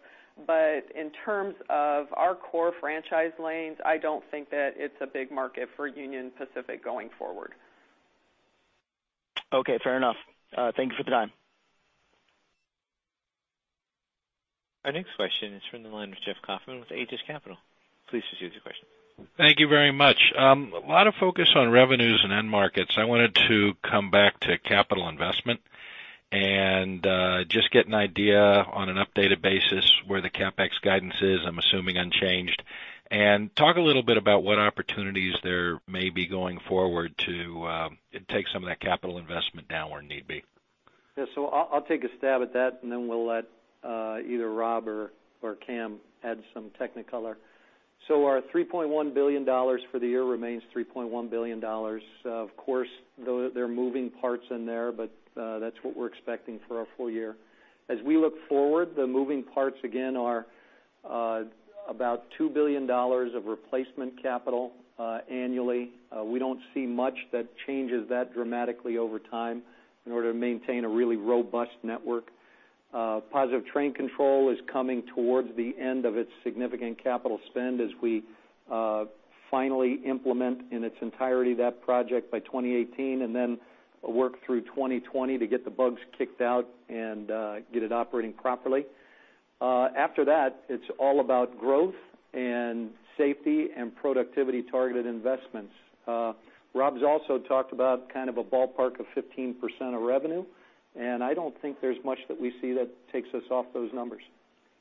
In terms of our core franchise lanes, I don't think that it's a big market for Union Pacific going forward. Okay, fair enough. Thank you for the time. Our next question is from the line of Jeffrey Kauffman with Buckingham Research Group. Please proceed with your question. Thank you very much. A lot of focus on revenues and end markets. I wanted to come back to capital investment and just get an idea on an updated basis where the CapEx guidance is, I'm assuming unchanged. Talk a little bit about what opportunities there may be going forward to take some of that capital investment down where need be. Yeah. I'll take a stab at that, and then we'll let either Rob or Cam add some technicolor. Our $3.1 billion for the year remains $3.1 billion. Of course, there are moving parts in there, but that's what we're expecting for our full year. As we look forward, the moving parts again are about $2 billion of replacement capital annually. We don't see much that changes that dramatically over time in order to maintain a really robust network. Positive Train Control is coming towards the end of its significant capital spend as we finally implement in its entirety that project by 2018 and then work through 2020 to get the bugs kicked out and get it operating properly. After that, it's all about growth and safety and productivity targeted investments. Rob's also talked about kind of a ballpark of 15% of revenue, I don't think there's much that we see that takes us off those numbers.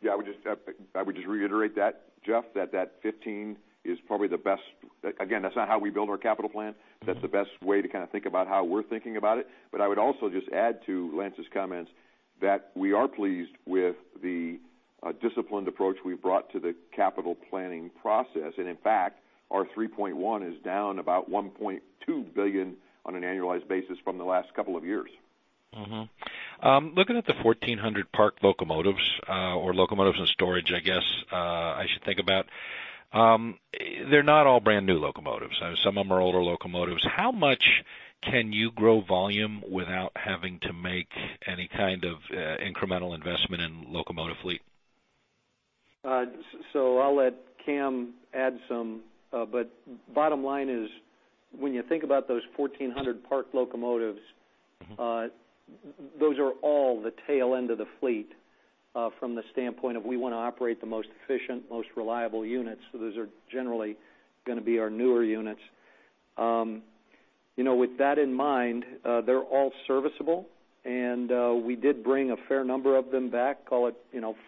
Yeah, I would just reiterate that, Jeff, that 15% is probably the best. Again, that's not how we build our capital plan, but that's the best way to think about how we're thinking about it. I would also just add to Lance's comments that we are pleased with the disciplined approach we've brought to the capital planning process, and in fact, our 3.1 is down about $1.2 billion on an annualized basis from the last couple of years. Mm-hmm. Looking at the 1,400 parked locomotives or locomotives in storage, I guess, I should think about. They're not all brand new locomotives. Some of them are older locomotives. How much can you grow volume without having to make any kind of incremental investment in locomotive fleet? I'll let Cam add some, but bottom line is, when you think about those 1,400 parked locomotives, those are all the tail end of the fleet from the standpoint of we want to operate the most efficient, most reliable units. Those are generally going to be our newer units. With that in mind, they're all serviceable, and we did bring a fair number of them back, call it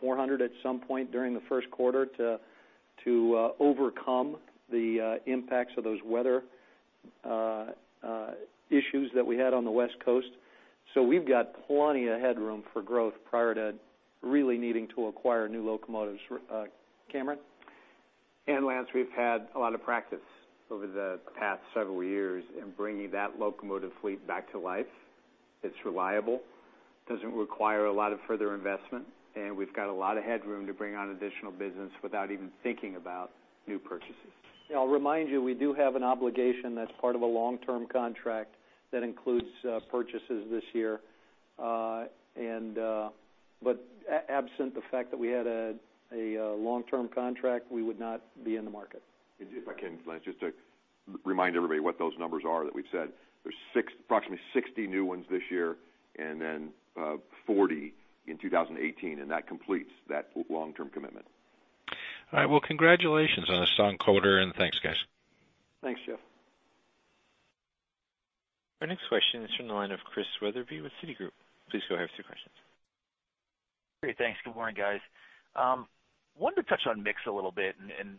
400 at some point during the first quarter to overcome the impacts of those weather issues that we had on the West Coast. We've got plenty of headroom for growth prior to really needing to acquire new locomotives. Cameron? Lance, we've had a lot of practice over the past several years in bringing that locomotive fleet back to life. It's reliable, doesn't require a lot of further investment, and we've got a lot of headroom to bring on additional business without even thinking about new purchases. I'll remind you, we do have an obligation that's part of a long-term contract that includes purchases this year. Absent the fact that we had a long-term contract, we would not be in the market. If I can, Lance, just to remind everybody what those numbers are that we've said. There's approximately 60 new ones this year and then 40 in 2018, and that completes that long-term commitment. All right. Well, congratulations on a strong quarter and thanks, guys. Thanks, Jeff. Our next question is from the line of Christian Wetherbee with Citigroup. Please go ahead with your questions. Great. Thanks. Good morning, guys. Wanted to touch on mix a little bit,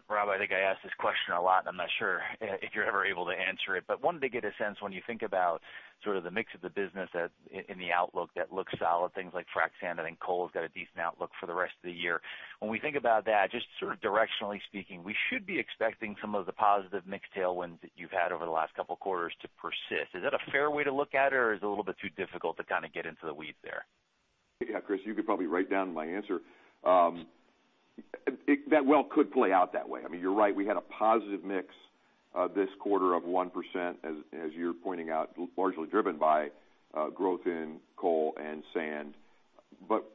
Rob, I think I ask this question a lot, and I'm not sure if you're ever able to answer it, wanted to get a sense when you think about sort of the mix of the business in the outlook that looks solid, things like frac sand, I think coal has got a decent outlook for the rest of the year. When we think about that, just sort of directionally speaking, we should be expecting some of the positive mix tailwinds that you've had over the last couple of quarters to persist. Is that a fair way to look at, or is it a little bit too difficult to kind of get into the weeds there? Yeah, Chris, you could probably write down my answer. That well could play out that way. I mean, you're right, we had a positive mix this quarter of 1%, as you're pointing out, largely driven by growth in coal and sand.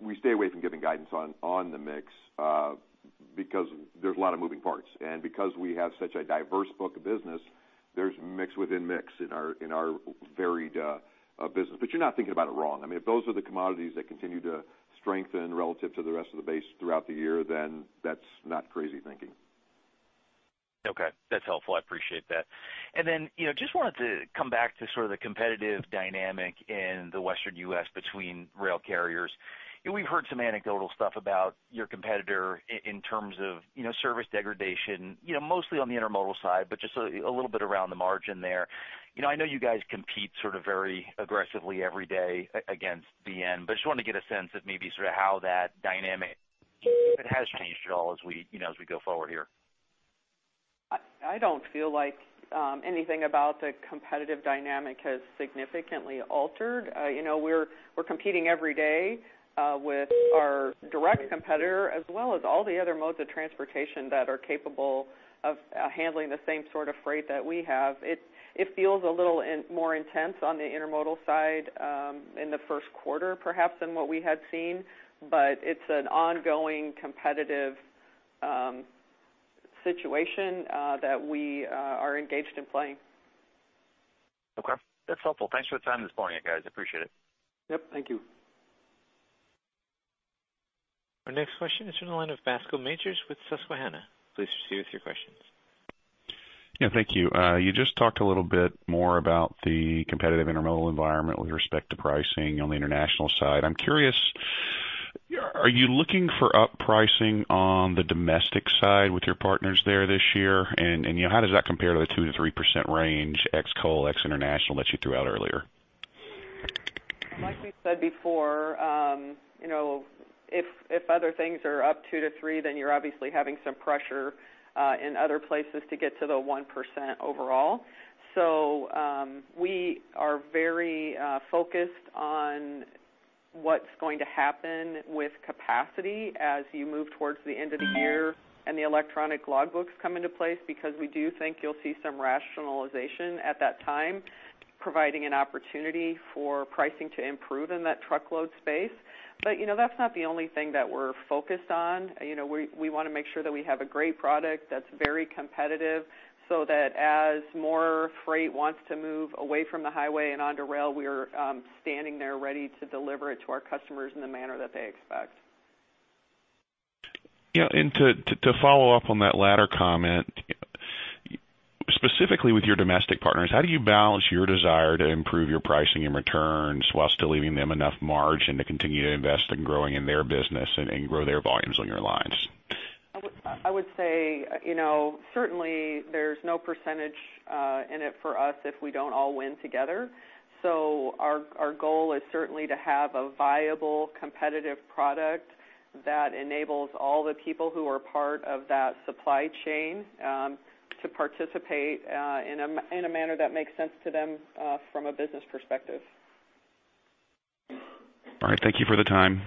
We stay away from giving guidance on the mix because there's a lot of moving parts, and because we have such a diverse book of business, there's mix within mix in our varied business. You're not thinking about it wrong. If those are the commodities that continue to strengthen relative to the rest of the base throughout the year, then that's not crazy thinking. Okay, that's helpful. I appreciate that. Then, just wanted to come back to sort of the competitive dynamic in the Western U.S. between rail carriers. We've heard some anecdotal stuff about your competitor in terms of service degradation, mostly on the intermodal side, just a little bit around the margin there. I know you guys compete sort of very aggressively every day against BN, just wanted to get a sense of maybe sort of how that dynamic, if it has changed at all, as we go forward here. I don't feel like anything about the competitive dynamic has significantly altered. We're competing every day with our direct competitor, as well as all the other modes of transportation that are capable of handling the same sort of freight that we have. It feels a little more intense on the intermodal side in the first quarter, perhaps, than what we had seen, but it's an ongoing competitive situation that we are engaged in playing. Okay. That's helpful. Thanks for the time this morning, guys. Appreciate it. Yep. Thank you. Our next question is from the line of Bascome Majors with Susquehanna. Please proceed with your questions. Yeah, thank you. You just talked a little bit more about the competitive intermodal environment with respect to pricing on the international side. I'm curious, are you looking for up pricing on the domestic side with your partners there this year? How does that compare to the 2%-3% range, ex coal, ex international, that you threw out earlier? Like we said before, if other things are up 2%-3%, you're obviously having some pressure in other places to get to the 1% overall. We are very focused on what's going to happen with capacity as you move towards the end of the year and the electronic logbooks come into place, because we do think you'll see some rationalization at that time, providing an opportunity for pricing to improve in that truckload space. That's not the only thing that we're focused on. We want to make sure that we have a great product that's very competitive, so that as more freight wants to move away from the highway and onto rail, we are standing there ready to deliver it to our customers in the manner that they expect. Yeah, to follow up on that latter comment, specifically with your domestic partners, how do you balance your desire to improve your pricing and returns while still leaving them enough margin to continue to invest in growing in their business and grow their volumes on your lines? I would say, certainly, there's no percentage in it for us if we don't all win together. Our goal is certainly to have a viable, competitive product that enables all the people who are part of that supply chain to participate in a manner that makes sense to them from a business perspective. All right. Thank you for the time.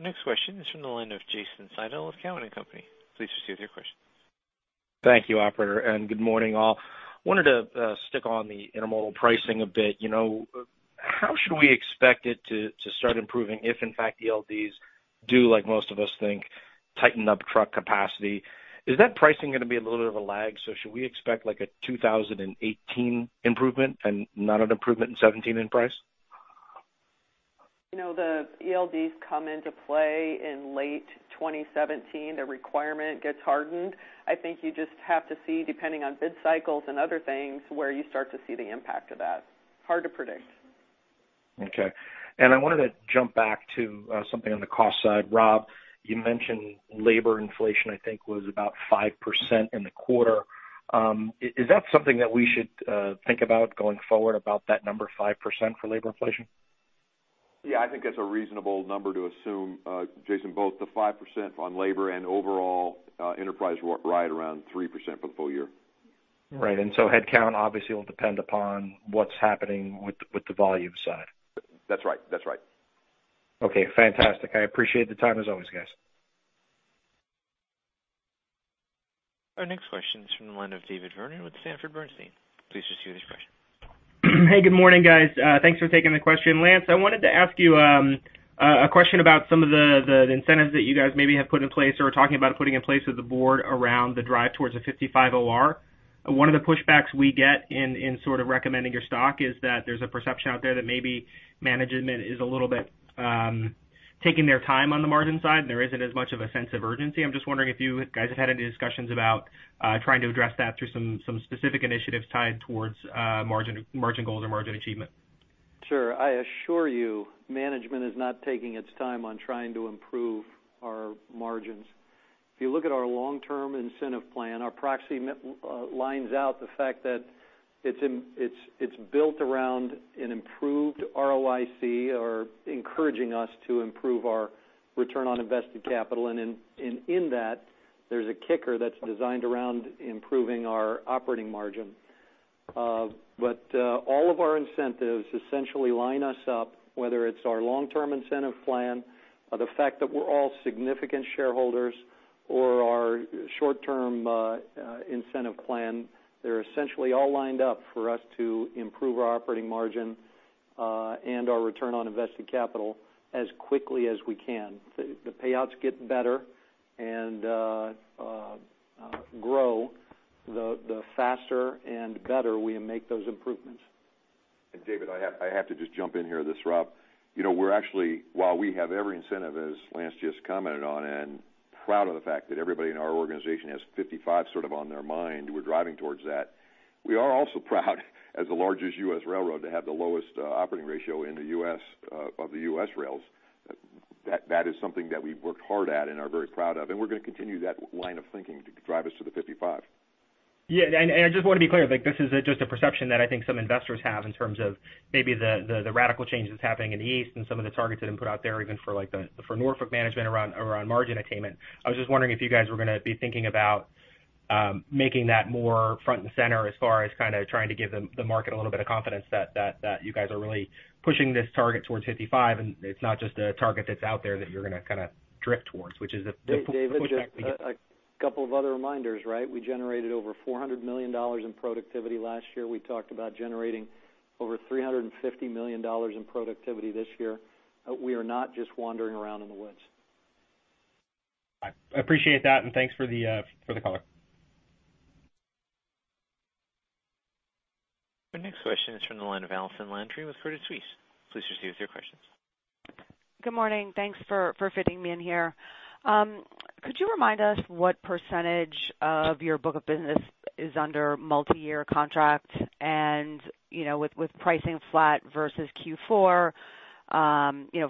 Next question is from the line of Jason Seidl of Cowen and Company. Please proceed with your question. Thank you, operator, good morning, all. Wanted to stick on the intermodal pricing a bit. How should we expect it to start improving if in fact ELDs do, like most of us think, tighten up truck capacity? Is that pricing going to be a little bit of a lag? Should we expect a 2018 improvement and not an improvement in 2017 in price? The ELDs come into play in late 2017. The requirement gets hardened. I think you just have to see, depending on bid cycles and other things, where you start to see the impact of that. Hard to predict. Okay. I wanted to jump back to something on the cost side. Rob, you mentioned labor inflation, I think, was about 5% in the quarter. Is that something that we should think about going forward, about that number, 5% for labor inflation? Yeah, I think that's a reasonable number to assume, Jason, both the 5% on labor and overall enterprise right around 3% for the full year. Right. Headcount obviously will depend upon what's happening with the volume side. That's right. Okay, fantastic. I appreciate the time, as always, guys. Our next question is from the line of David Vernon with Sanford C. Bernstein. Please proceed with your question. Hey, good morning, guys. Thanks for taking the question. Lance, I wanted to ask you a question about some of the incentives that you guys maybe have put in place or are talking about putting in place with the board around the drive towards a 55 OR. One of the pushbacks we get in sort of recommending your stock is that there's a perception out there that maybe management is a little bit taking their time on the margin side, and there isn't as much of a sense of urgency. I'm just wondering if you guys have had any discussions about trying to address that through some specific initiatives tied towards margin goals or margin achievement. Sure. I assure you, management is not taking its time on trying to improve our margins. If you look at our long-term incentive plan, our proxy lines out the fact that it's built around an improved ROIC or encouraging us to improve our return on invested capital, and in that, there's a kicker that's designed around improving our operating margin. All of our incentives essentially line us up, whether it's our long-term incentive plan, the fact that we're all significant shareholders, or our short-term incentive plan, they're essentially all lined up for us to improve our operating margin, and our return on invested capital as quickly as we can. The payouts get better and grow the faster and better we make those improvements. David, I have to just jump in here on this, Rob. While we have every incentive, as Lance just commented on, and proud of the fact that everybody in our organization has 55 sort of on their mind, we're driving towards that. We are also proud as the largest U.S. railroad to have the lowest operating ratio of the U.S. rails. That is something that we've worked hard at and are very proud of, and we're going to continue that line of thinking to drive us to the 55. I just want to be clear, this is just a perception that I think some investors have in terms of maybe the radical changes happening in the east and some of the targets that have been put out there, even for Norfolk management around margin attainment. I was just wondering if you guys were going to be thinking about making that more front and center as far as trying to give the market a little bit of confidence that you guys are really pushing this target towards 55, and it's not just a target that's out there that you're going to kind of drift towards, which is the pushback we get. David, just a couple of other reminders, right? We generated over $400 million in productivity last year. We talked about generating over $350 million in productivity this year. We are not just wandering around in the woods. I appreciate that, thanks for the call. Our next question is from the line of Allison Landry with Credit Suisse. Please proceed with your questions. Good morning. Thanks for fitting me in here. Could you remind us what percentage of your book of business is under multi-year contract? With pricing flat versus Q4,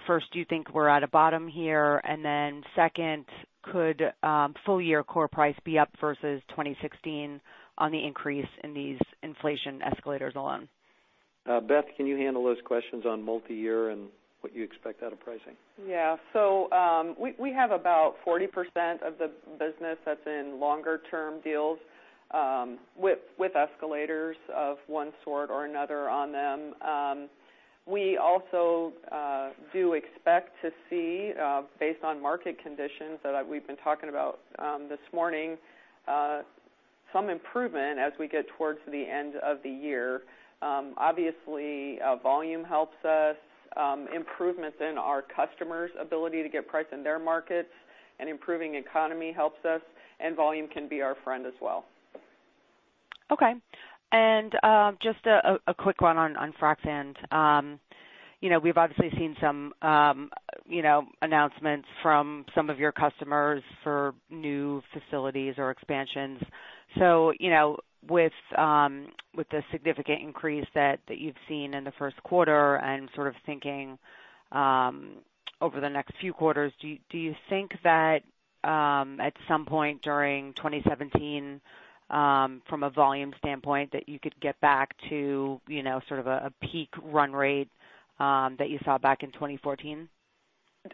first, do you think we're at a bottom here? Then second, could full-year core price be up versus 2016 on the increase in these inflation escalators alone? Beth, can you handle those questions on multi-year and what you expect out of pricing? Yeah. We have about 40% of the business that's in longer-term deals, with escalators of one sort or another on them. We also do expect to see, based on market conditions that we've been talking about this morning, some improvement as we get towards the end of the year. Obviously, volume helps us, improvements in our customers' ability to get price in their markets and improving economy helps us, volume can be our friend as well. Okay. Just a quick one on frac sand. We've obviously seen some announcements from some of your customers for new facilities or expansions. With the significant increase that you've seen in the first quarter and sort of thinking over the next few quarters, do you think that at some point during 2017, from a volume standpoint, that you could get back to sort of a peak run rate that you saw back in 2014?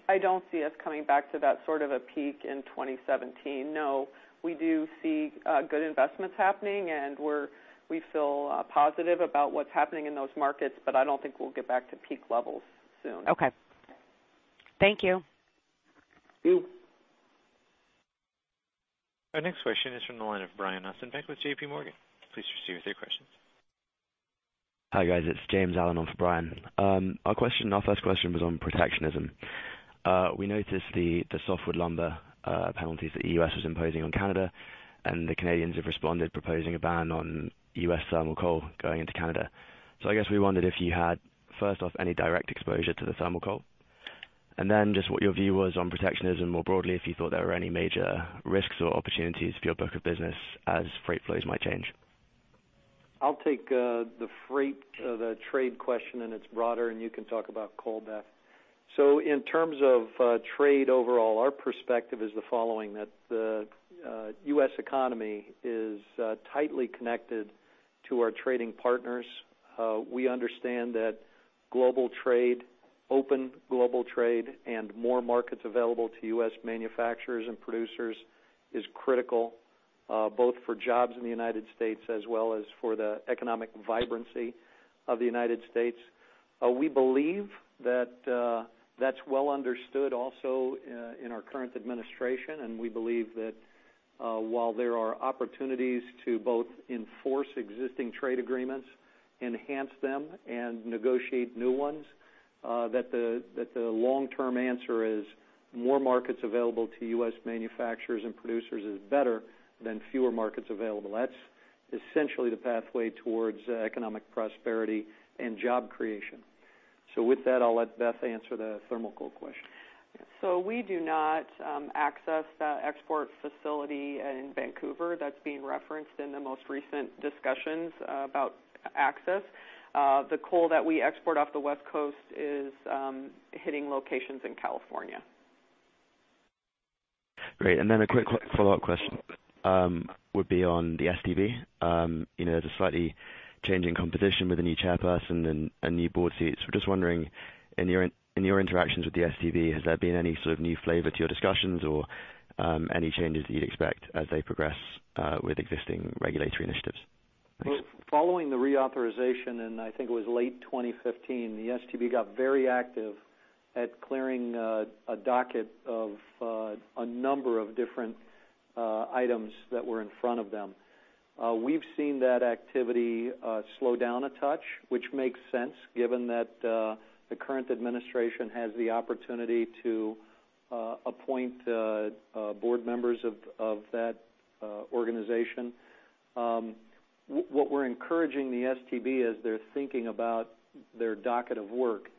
I don't see us coming back to that sort of a peak in 2017, no. We do see good investments happening, and we feel positive about what's happening in those markets, but I don't think we'll get back to peak levels soon. Okay. Thank you. Thank you. Our next question is from the line of Brian Ossenbeck with JPMorgan. Please proceed with your questions. Hi, guys. It's James Allen on for Brian. Our first question was on protectionism. We noticed the softwood lumber penalties the U.S. was imposing on Canada, and the Canadians have responded, proposing a ban on U.S. thermal coal going into Canada. I guess we wondered if you had, first off, any direct exposure to the thermal coal, and then just what your view was on protectionism more broadly, if you thought there were any major risks or opportunities for your book of business as freight flows might change. I'll take the freight, the trade question, and it's broader, and you can talk about coal, Beth. In terms of trade overall, our perspective is the following, that the U.S. economy is tightly connected to our trading partners. We understand that global trade, open global trade, and more markets available to U.S. manufacturers and producers is critical, both for jobs in the United States as well as for the economic vibrancy of the United States. We believe that's well understood also in our current administration, and we believe that while there are opportunities to both enforce existing trade agreements, enhance them, and negotiate new ones, that the long-term answer is more markets available to U.S. manufacturers and producers is better than fewer markets available. That's essentially the pathway towards economic prosperity and job creation. With that, I'll let Beth answer the thermal coal question. We do not access the export facility in Vancouver that's being referenced in the most recent discussions about access. The coal that we export off the West Coast is hitting locations in California. Great, a quick follow-up question would be on the STB. There's a slightly changing composition with a new chairperson and new board seats. We're just wondering, in your interactions with the STB, has there been any sort of new flavor to your discussions or any changes that you'd expect as they progress with existing regulatory initiatives? Thanks. Following the reauthorization in, I think it was late 2015, the STB got very active at clearing a docket of a number of different items that were in front of them. We've seen that activity slow down a touch, which makes sense given that the current administration has the opportunity to appoint board members of that organization. What we're encouraging the STB as they're thinking about their docket of work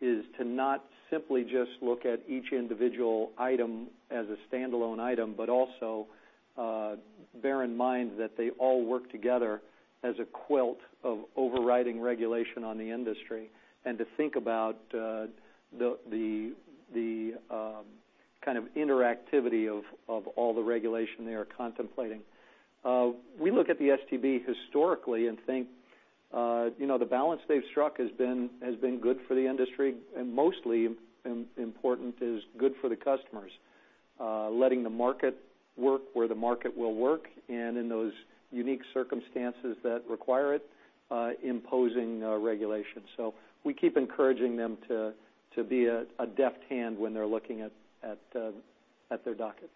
is to not simply just look at each individual item as a standalone item, but also bear in mind that they all work together as a quilt of overriding regulation on the industry, and to think about the kind of interactivity of all the regulation they are contemplating. We look at the STB historically and think the balance they've struck has been good for the industry and mostly important is good for the customers, letting the market work where the market will work, and in those unique circumstances that require it, imposing regulation. We keep encouraging them to be a deft hand when they're looking at their docket.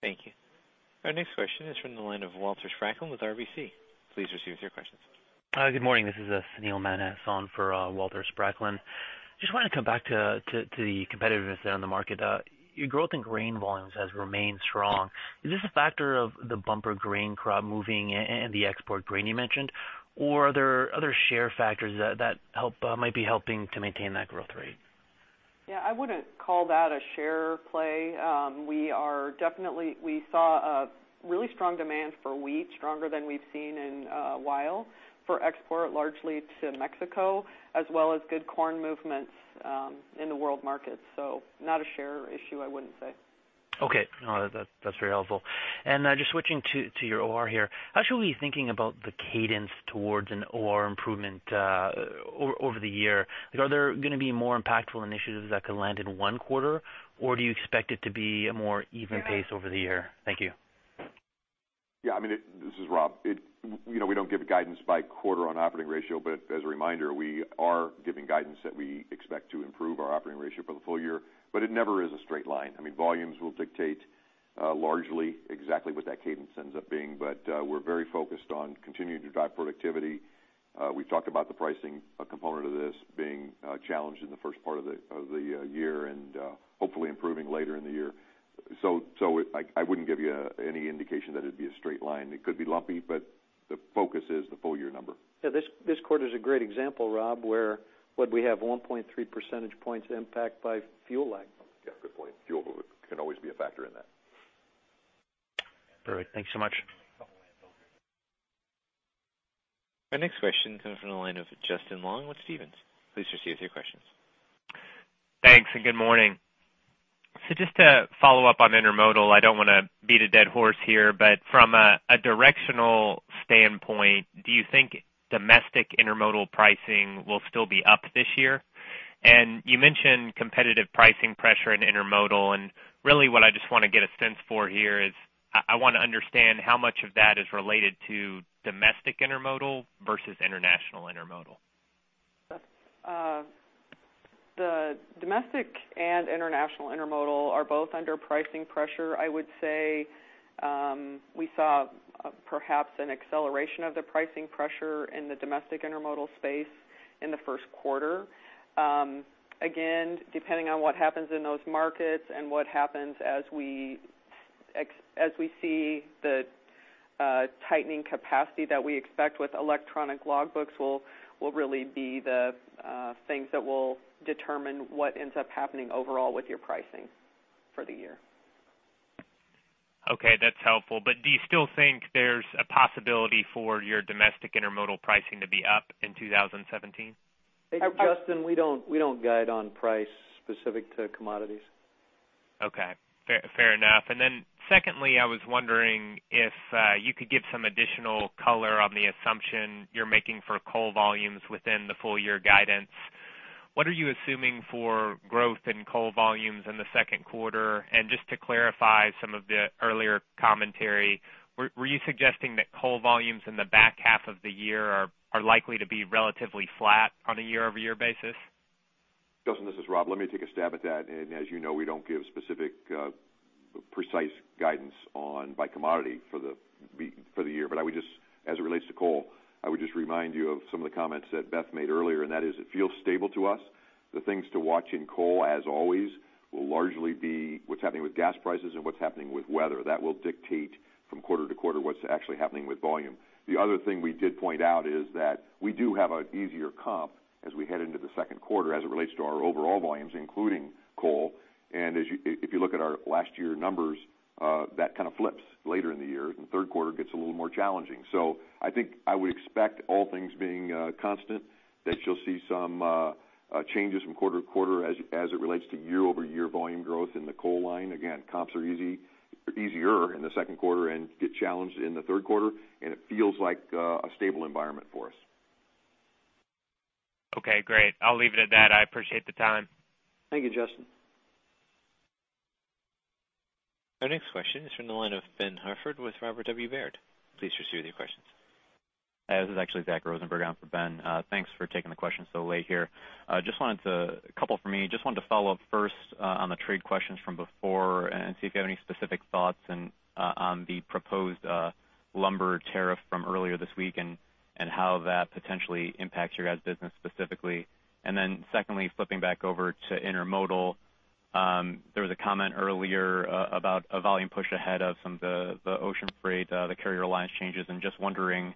Thank you. Our next question is from the line of Walter Spracklin with RBC. Please proceed with your questions. Hi, good morning. This is Sunil Mann on for Walter Spracklin. Just want to come back to the competitiveness there on the market. Your growth in grain volumes has remained strong. Is this a factor of the bumper grain crop moving and the export grain you mentioned, or are there other share factors that might be helping to maintain that growth rate? Yeah, I wouldn't call that a share play. We saw a really strong demand for wheat, stronger than we've seen in a while for export, largely to Mexico, as well as good corn movements in the world market. Not a share issue, I wouldn't say. Okay. No, that's very helpful. Just switching to your OR here. How should we be thinking about the cadence towards an OR improvement over the year? Are there going to be more impactful initiatives that could land in one quarter, or do you expect it to be a more even pace over the year? Thank you. Yeah, this is Rob. We don't give guidance by quarter on operating ratio, but as a reminder, we are giving guidance that we expect to improve our operating ratio for the full year, but it never is a straight line. Volumes will dictate largely exactly what that cadence ends up being, but we're very focused on continuing to drive productivity. We've talked about the pricing component of this being challenged in the first part of the year and hopefully improving later in the year. I wouldn't give you any indication that it'd be a straight line. It could be lumpy, but the focus is the full year number. Yeah, this quarter is a great example, Rob, where, what'd we have? 1.3 percentage points impact by fuel lag. Yeah, good point. Fuel can always be a factor in that. All right. Thank you so much. Our next question comes from the line of Justin Long with Stephens. Please proceed with your questions. Thanks and good morning. Just to follow up on intermodal, I don't want to beat a dead horse here, from a directional standpoint, do you think domestic intermodal pricing will still be up this year? You mentioned competitive pricing pressure in intermodal, really what I just want to get a sense for here is, I want to understand how much of that is related to domestic intermodal versus international intermodal. The domestic and international intermodal are both under pricing pressure. I would say, we saw perhaps an acceleration of the pricing pressure in the domestic intermodal space in the first quarter. Again, depending on what happens in those markets and what happens as we see the tightening capacity that we expect with electronic logbooks will really be the things that will determine what ends up happening overall with your pricing for the year. Okay, that's helpful. Do you still think there's a possibility for your domestic intermodal pricing to be up in 2017? Justin, we don't guide on price specific to commodities. Okay. Fair enough. Secondly, I was wondering if you could give some additional color on the assumption you're making for coal volumes within the full-year guidance. What are you assuming for growth in coal volumes in the second quarter? Just to clarify some of the earlier commentary, were you suggesting that coal volumes in the back half of the year are likely to be relatively flat on a year-over-year basis? Justin, this is Rob. Let me take a stab at that. As you know, we don't give specific, precise guidance by commodity for the year. As it relates to coal, I would just remind you of some of the comments that Beth made earlier, that is, it feels stable to us. The things to watch in coal, as always, will largely be what's happening with gas prices and what's happening with weather. That will dictate from quarter-to-quarter what's actually happening with volume. The other thing we did point out is that we do have an easier comp as we head into the second quarter, as it relates to our overall volumes, including coal. If you look at our last-year numbers, that kind of flips later in the year, and third quarter gets a little more challenging. I think I would expect, all things being constant, that you'll see some changes from quarter-to-quarter as it relates to year-over-year volume growth in the coal line. Again, comps are easier in the second quarter and get challenged in the third quarter, it feels like a stable environment for us. Okay, great. I'll leave it at that. I appreciate the time. Thank you, Justin. Our next question is from the line of Ben Hartford with Robert W. Baird. Please proceed with your questions. This is actually Zach Rosenberg on for Ben. Thanks for taking the question so late here. A couple for me. Just wanted to follow up first on the trade questions from before and see if you have any specific thoughts on the proposed lumber tariff from earlier this week and how that potentially impacts your guys' business specifically. Secondly, flipping back over to intermodal, there was a comment earlier about a volume push ahead of some of the ocean freight, the carrier alliance changes, and just wondering,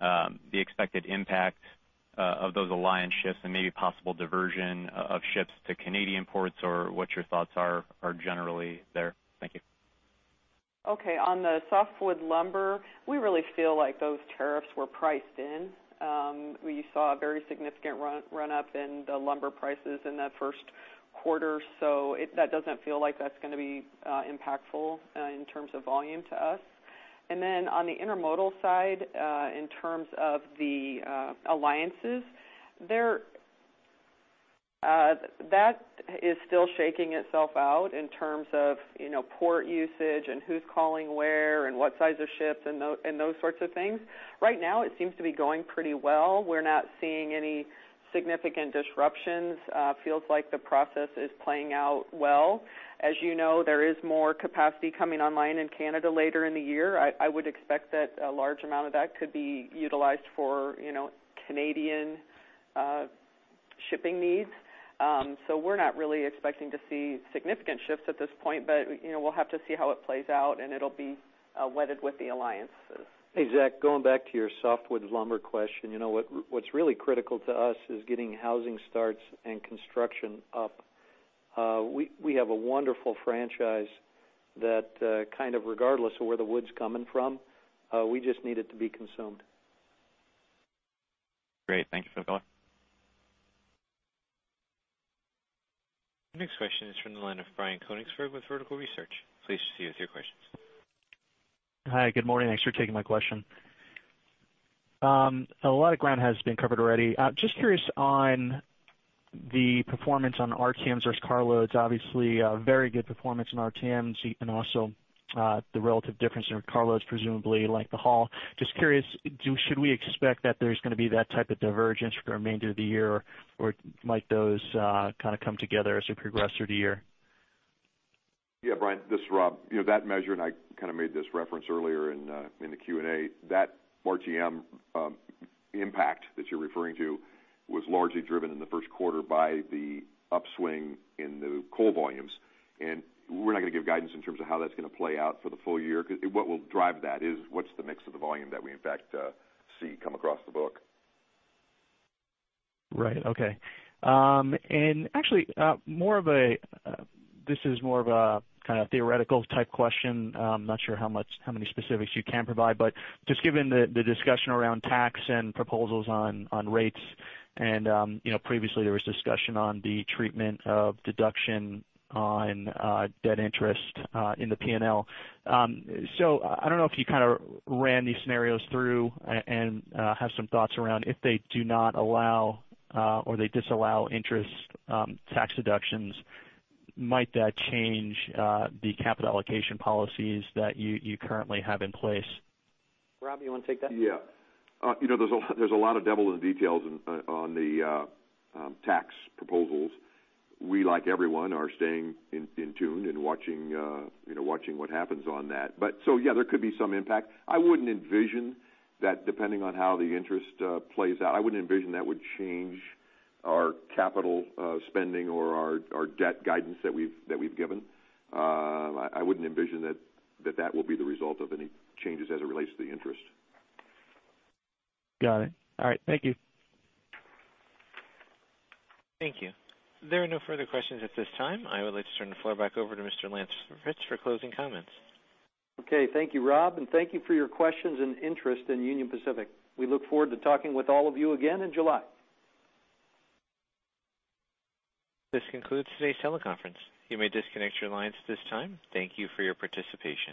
the expected impact of those alliance shifts and maybe possible diversion of ships to Canadian ports or what your thoughts are generally there. Thank you. Okay. On the softwood lumber, we really feel like those tariffs were priced in. We saw a very significant run up in the lumber prices in that first quarter. That doesn't feel like that's going to be impactful in terms of volume to us. Then on the intermodal side, in terms of the alliances, that is still shaking itself out in terms of port usage and who's calling where and what size of ships and those sorts of things. Right now, it seems to be going pretty well. We're not seeing any significant disruptions. Feels like the process is playing out well. As you know, there is more capacity coming online in Canada later in the year. I would expect that a large amount of that could be utilized for Canadian shipping needs. We're not really expecting to see significant shifts at this point, but we'll have to see how it plays out, and it'll be wedded with the alliances. Hey, Zach, going back to your softwood lumber question. What's really critical to us is getting housing starts and construction up. We have a wonderful franchise that kind of regardless of where the wood's coming from, we just need it to be consumed. Great. Thank you for the call. Our next question is from the line of Brian Konigsburg with Vertical Research. Please proceed with your questions. Hi, good morning. Thanks for taking my question. A lot of ground has been covered already. Just curious on the performance on RTMs versus carloads. Obviously, a very good performance in RTMs and also the relative difference in carloads, presumably like the haul. Just curious, should we expect that there's going to be that type of divergence for the remainder of the year or might those kind of come together as we progress through the year? Yeah, Brian, this is Rob. That measure, and I kind of made this reference earlier in the Q&A, that RTM impact that you're referring to was largely driven in the first quarter by the upswing in the coal volumes. We're not going to give guidance in terms of how that's going to play out for the full year, because what will drive that is what's the mix of the volume that we in fact see come across the book. Right. Okay. Actually, this is more of a kind of theoretical type question. I'm not sure how many specifics you can provide, but just given the discussion around tax and proposals on rates and previously there was discussion on the treatment of deduction on debt interest in the P&L. I don't know if you kind of ran these scenarios through and have some thoughts around if they do not allow or they disallow interest tax deductions, might that change the capital allocation policies that you currently have in place? Rob, you want to take that? There's a lot of devil in the details on the tax proposals. We, like everyone, are staying in tune and watching what happens on that. There could be some impact. I wouldn't envision that depending on how the interest plays out, I wouldn't envision that would change our capital spending or our debt guidance that we've given. I wouldn't envision that will be the result of any changes as it relates to the interest. Got it. All right. Thank you. Thank you. There are no further questions at this time. I would like to turn the floor back over to Mr. Lance Fritz for closing comments. Thank you, Rob, and thank you for your questions and interest in Union Pacific. We look forward to talking with all of you again in July. This concludes today's teleconference. You may disconnect your lines at this time. Thank you for your participation.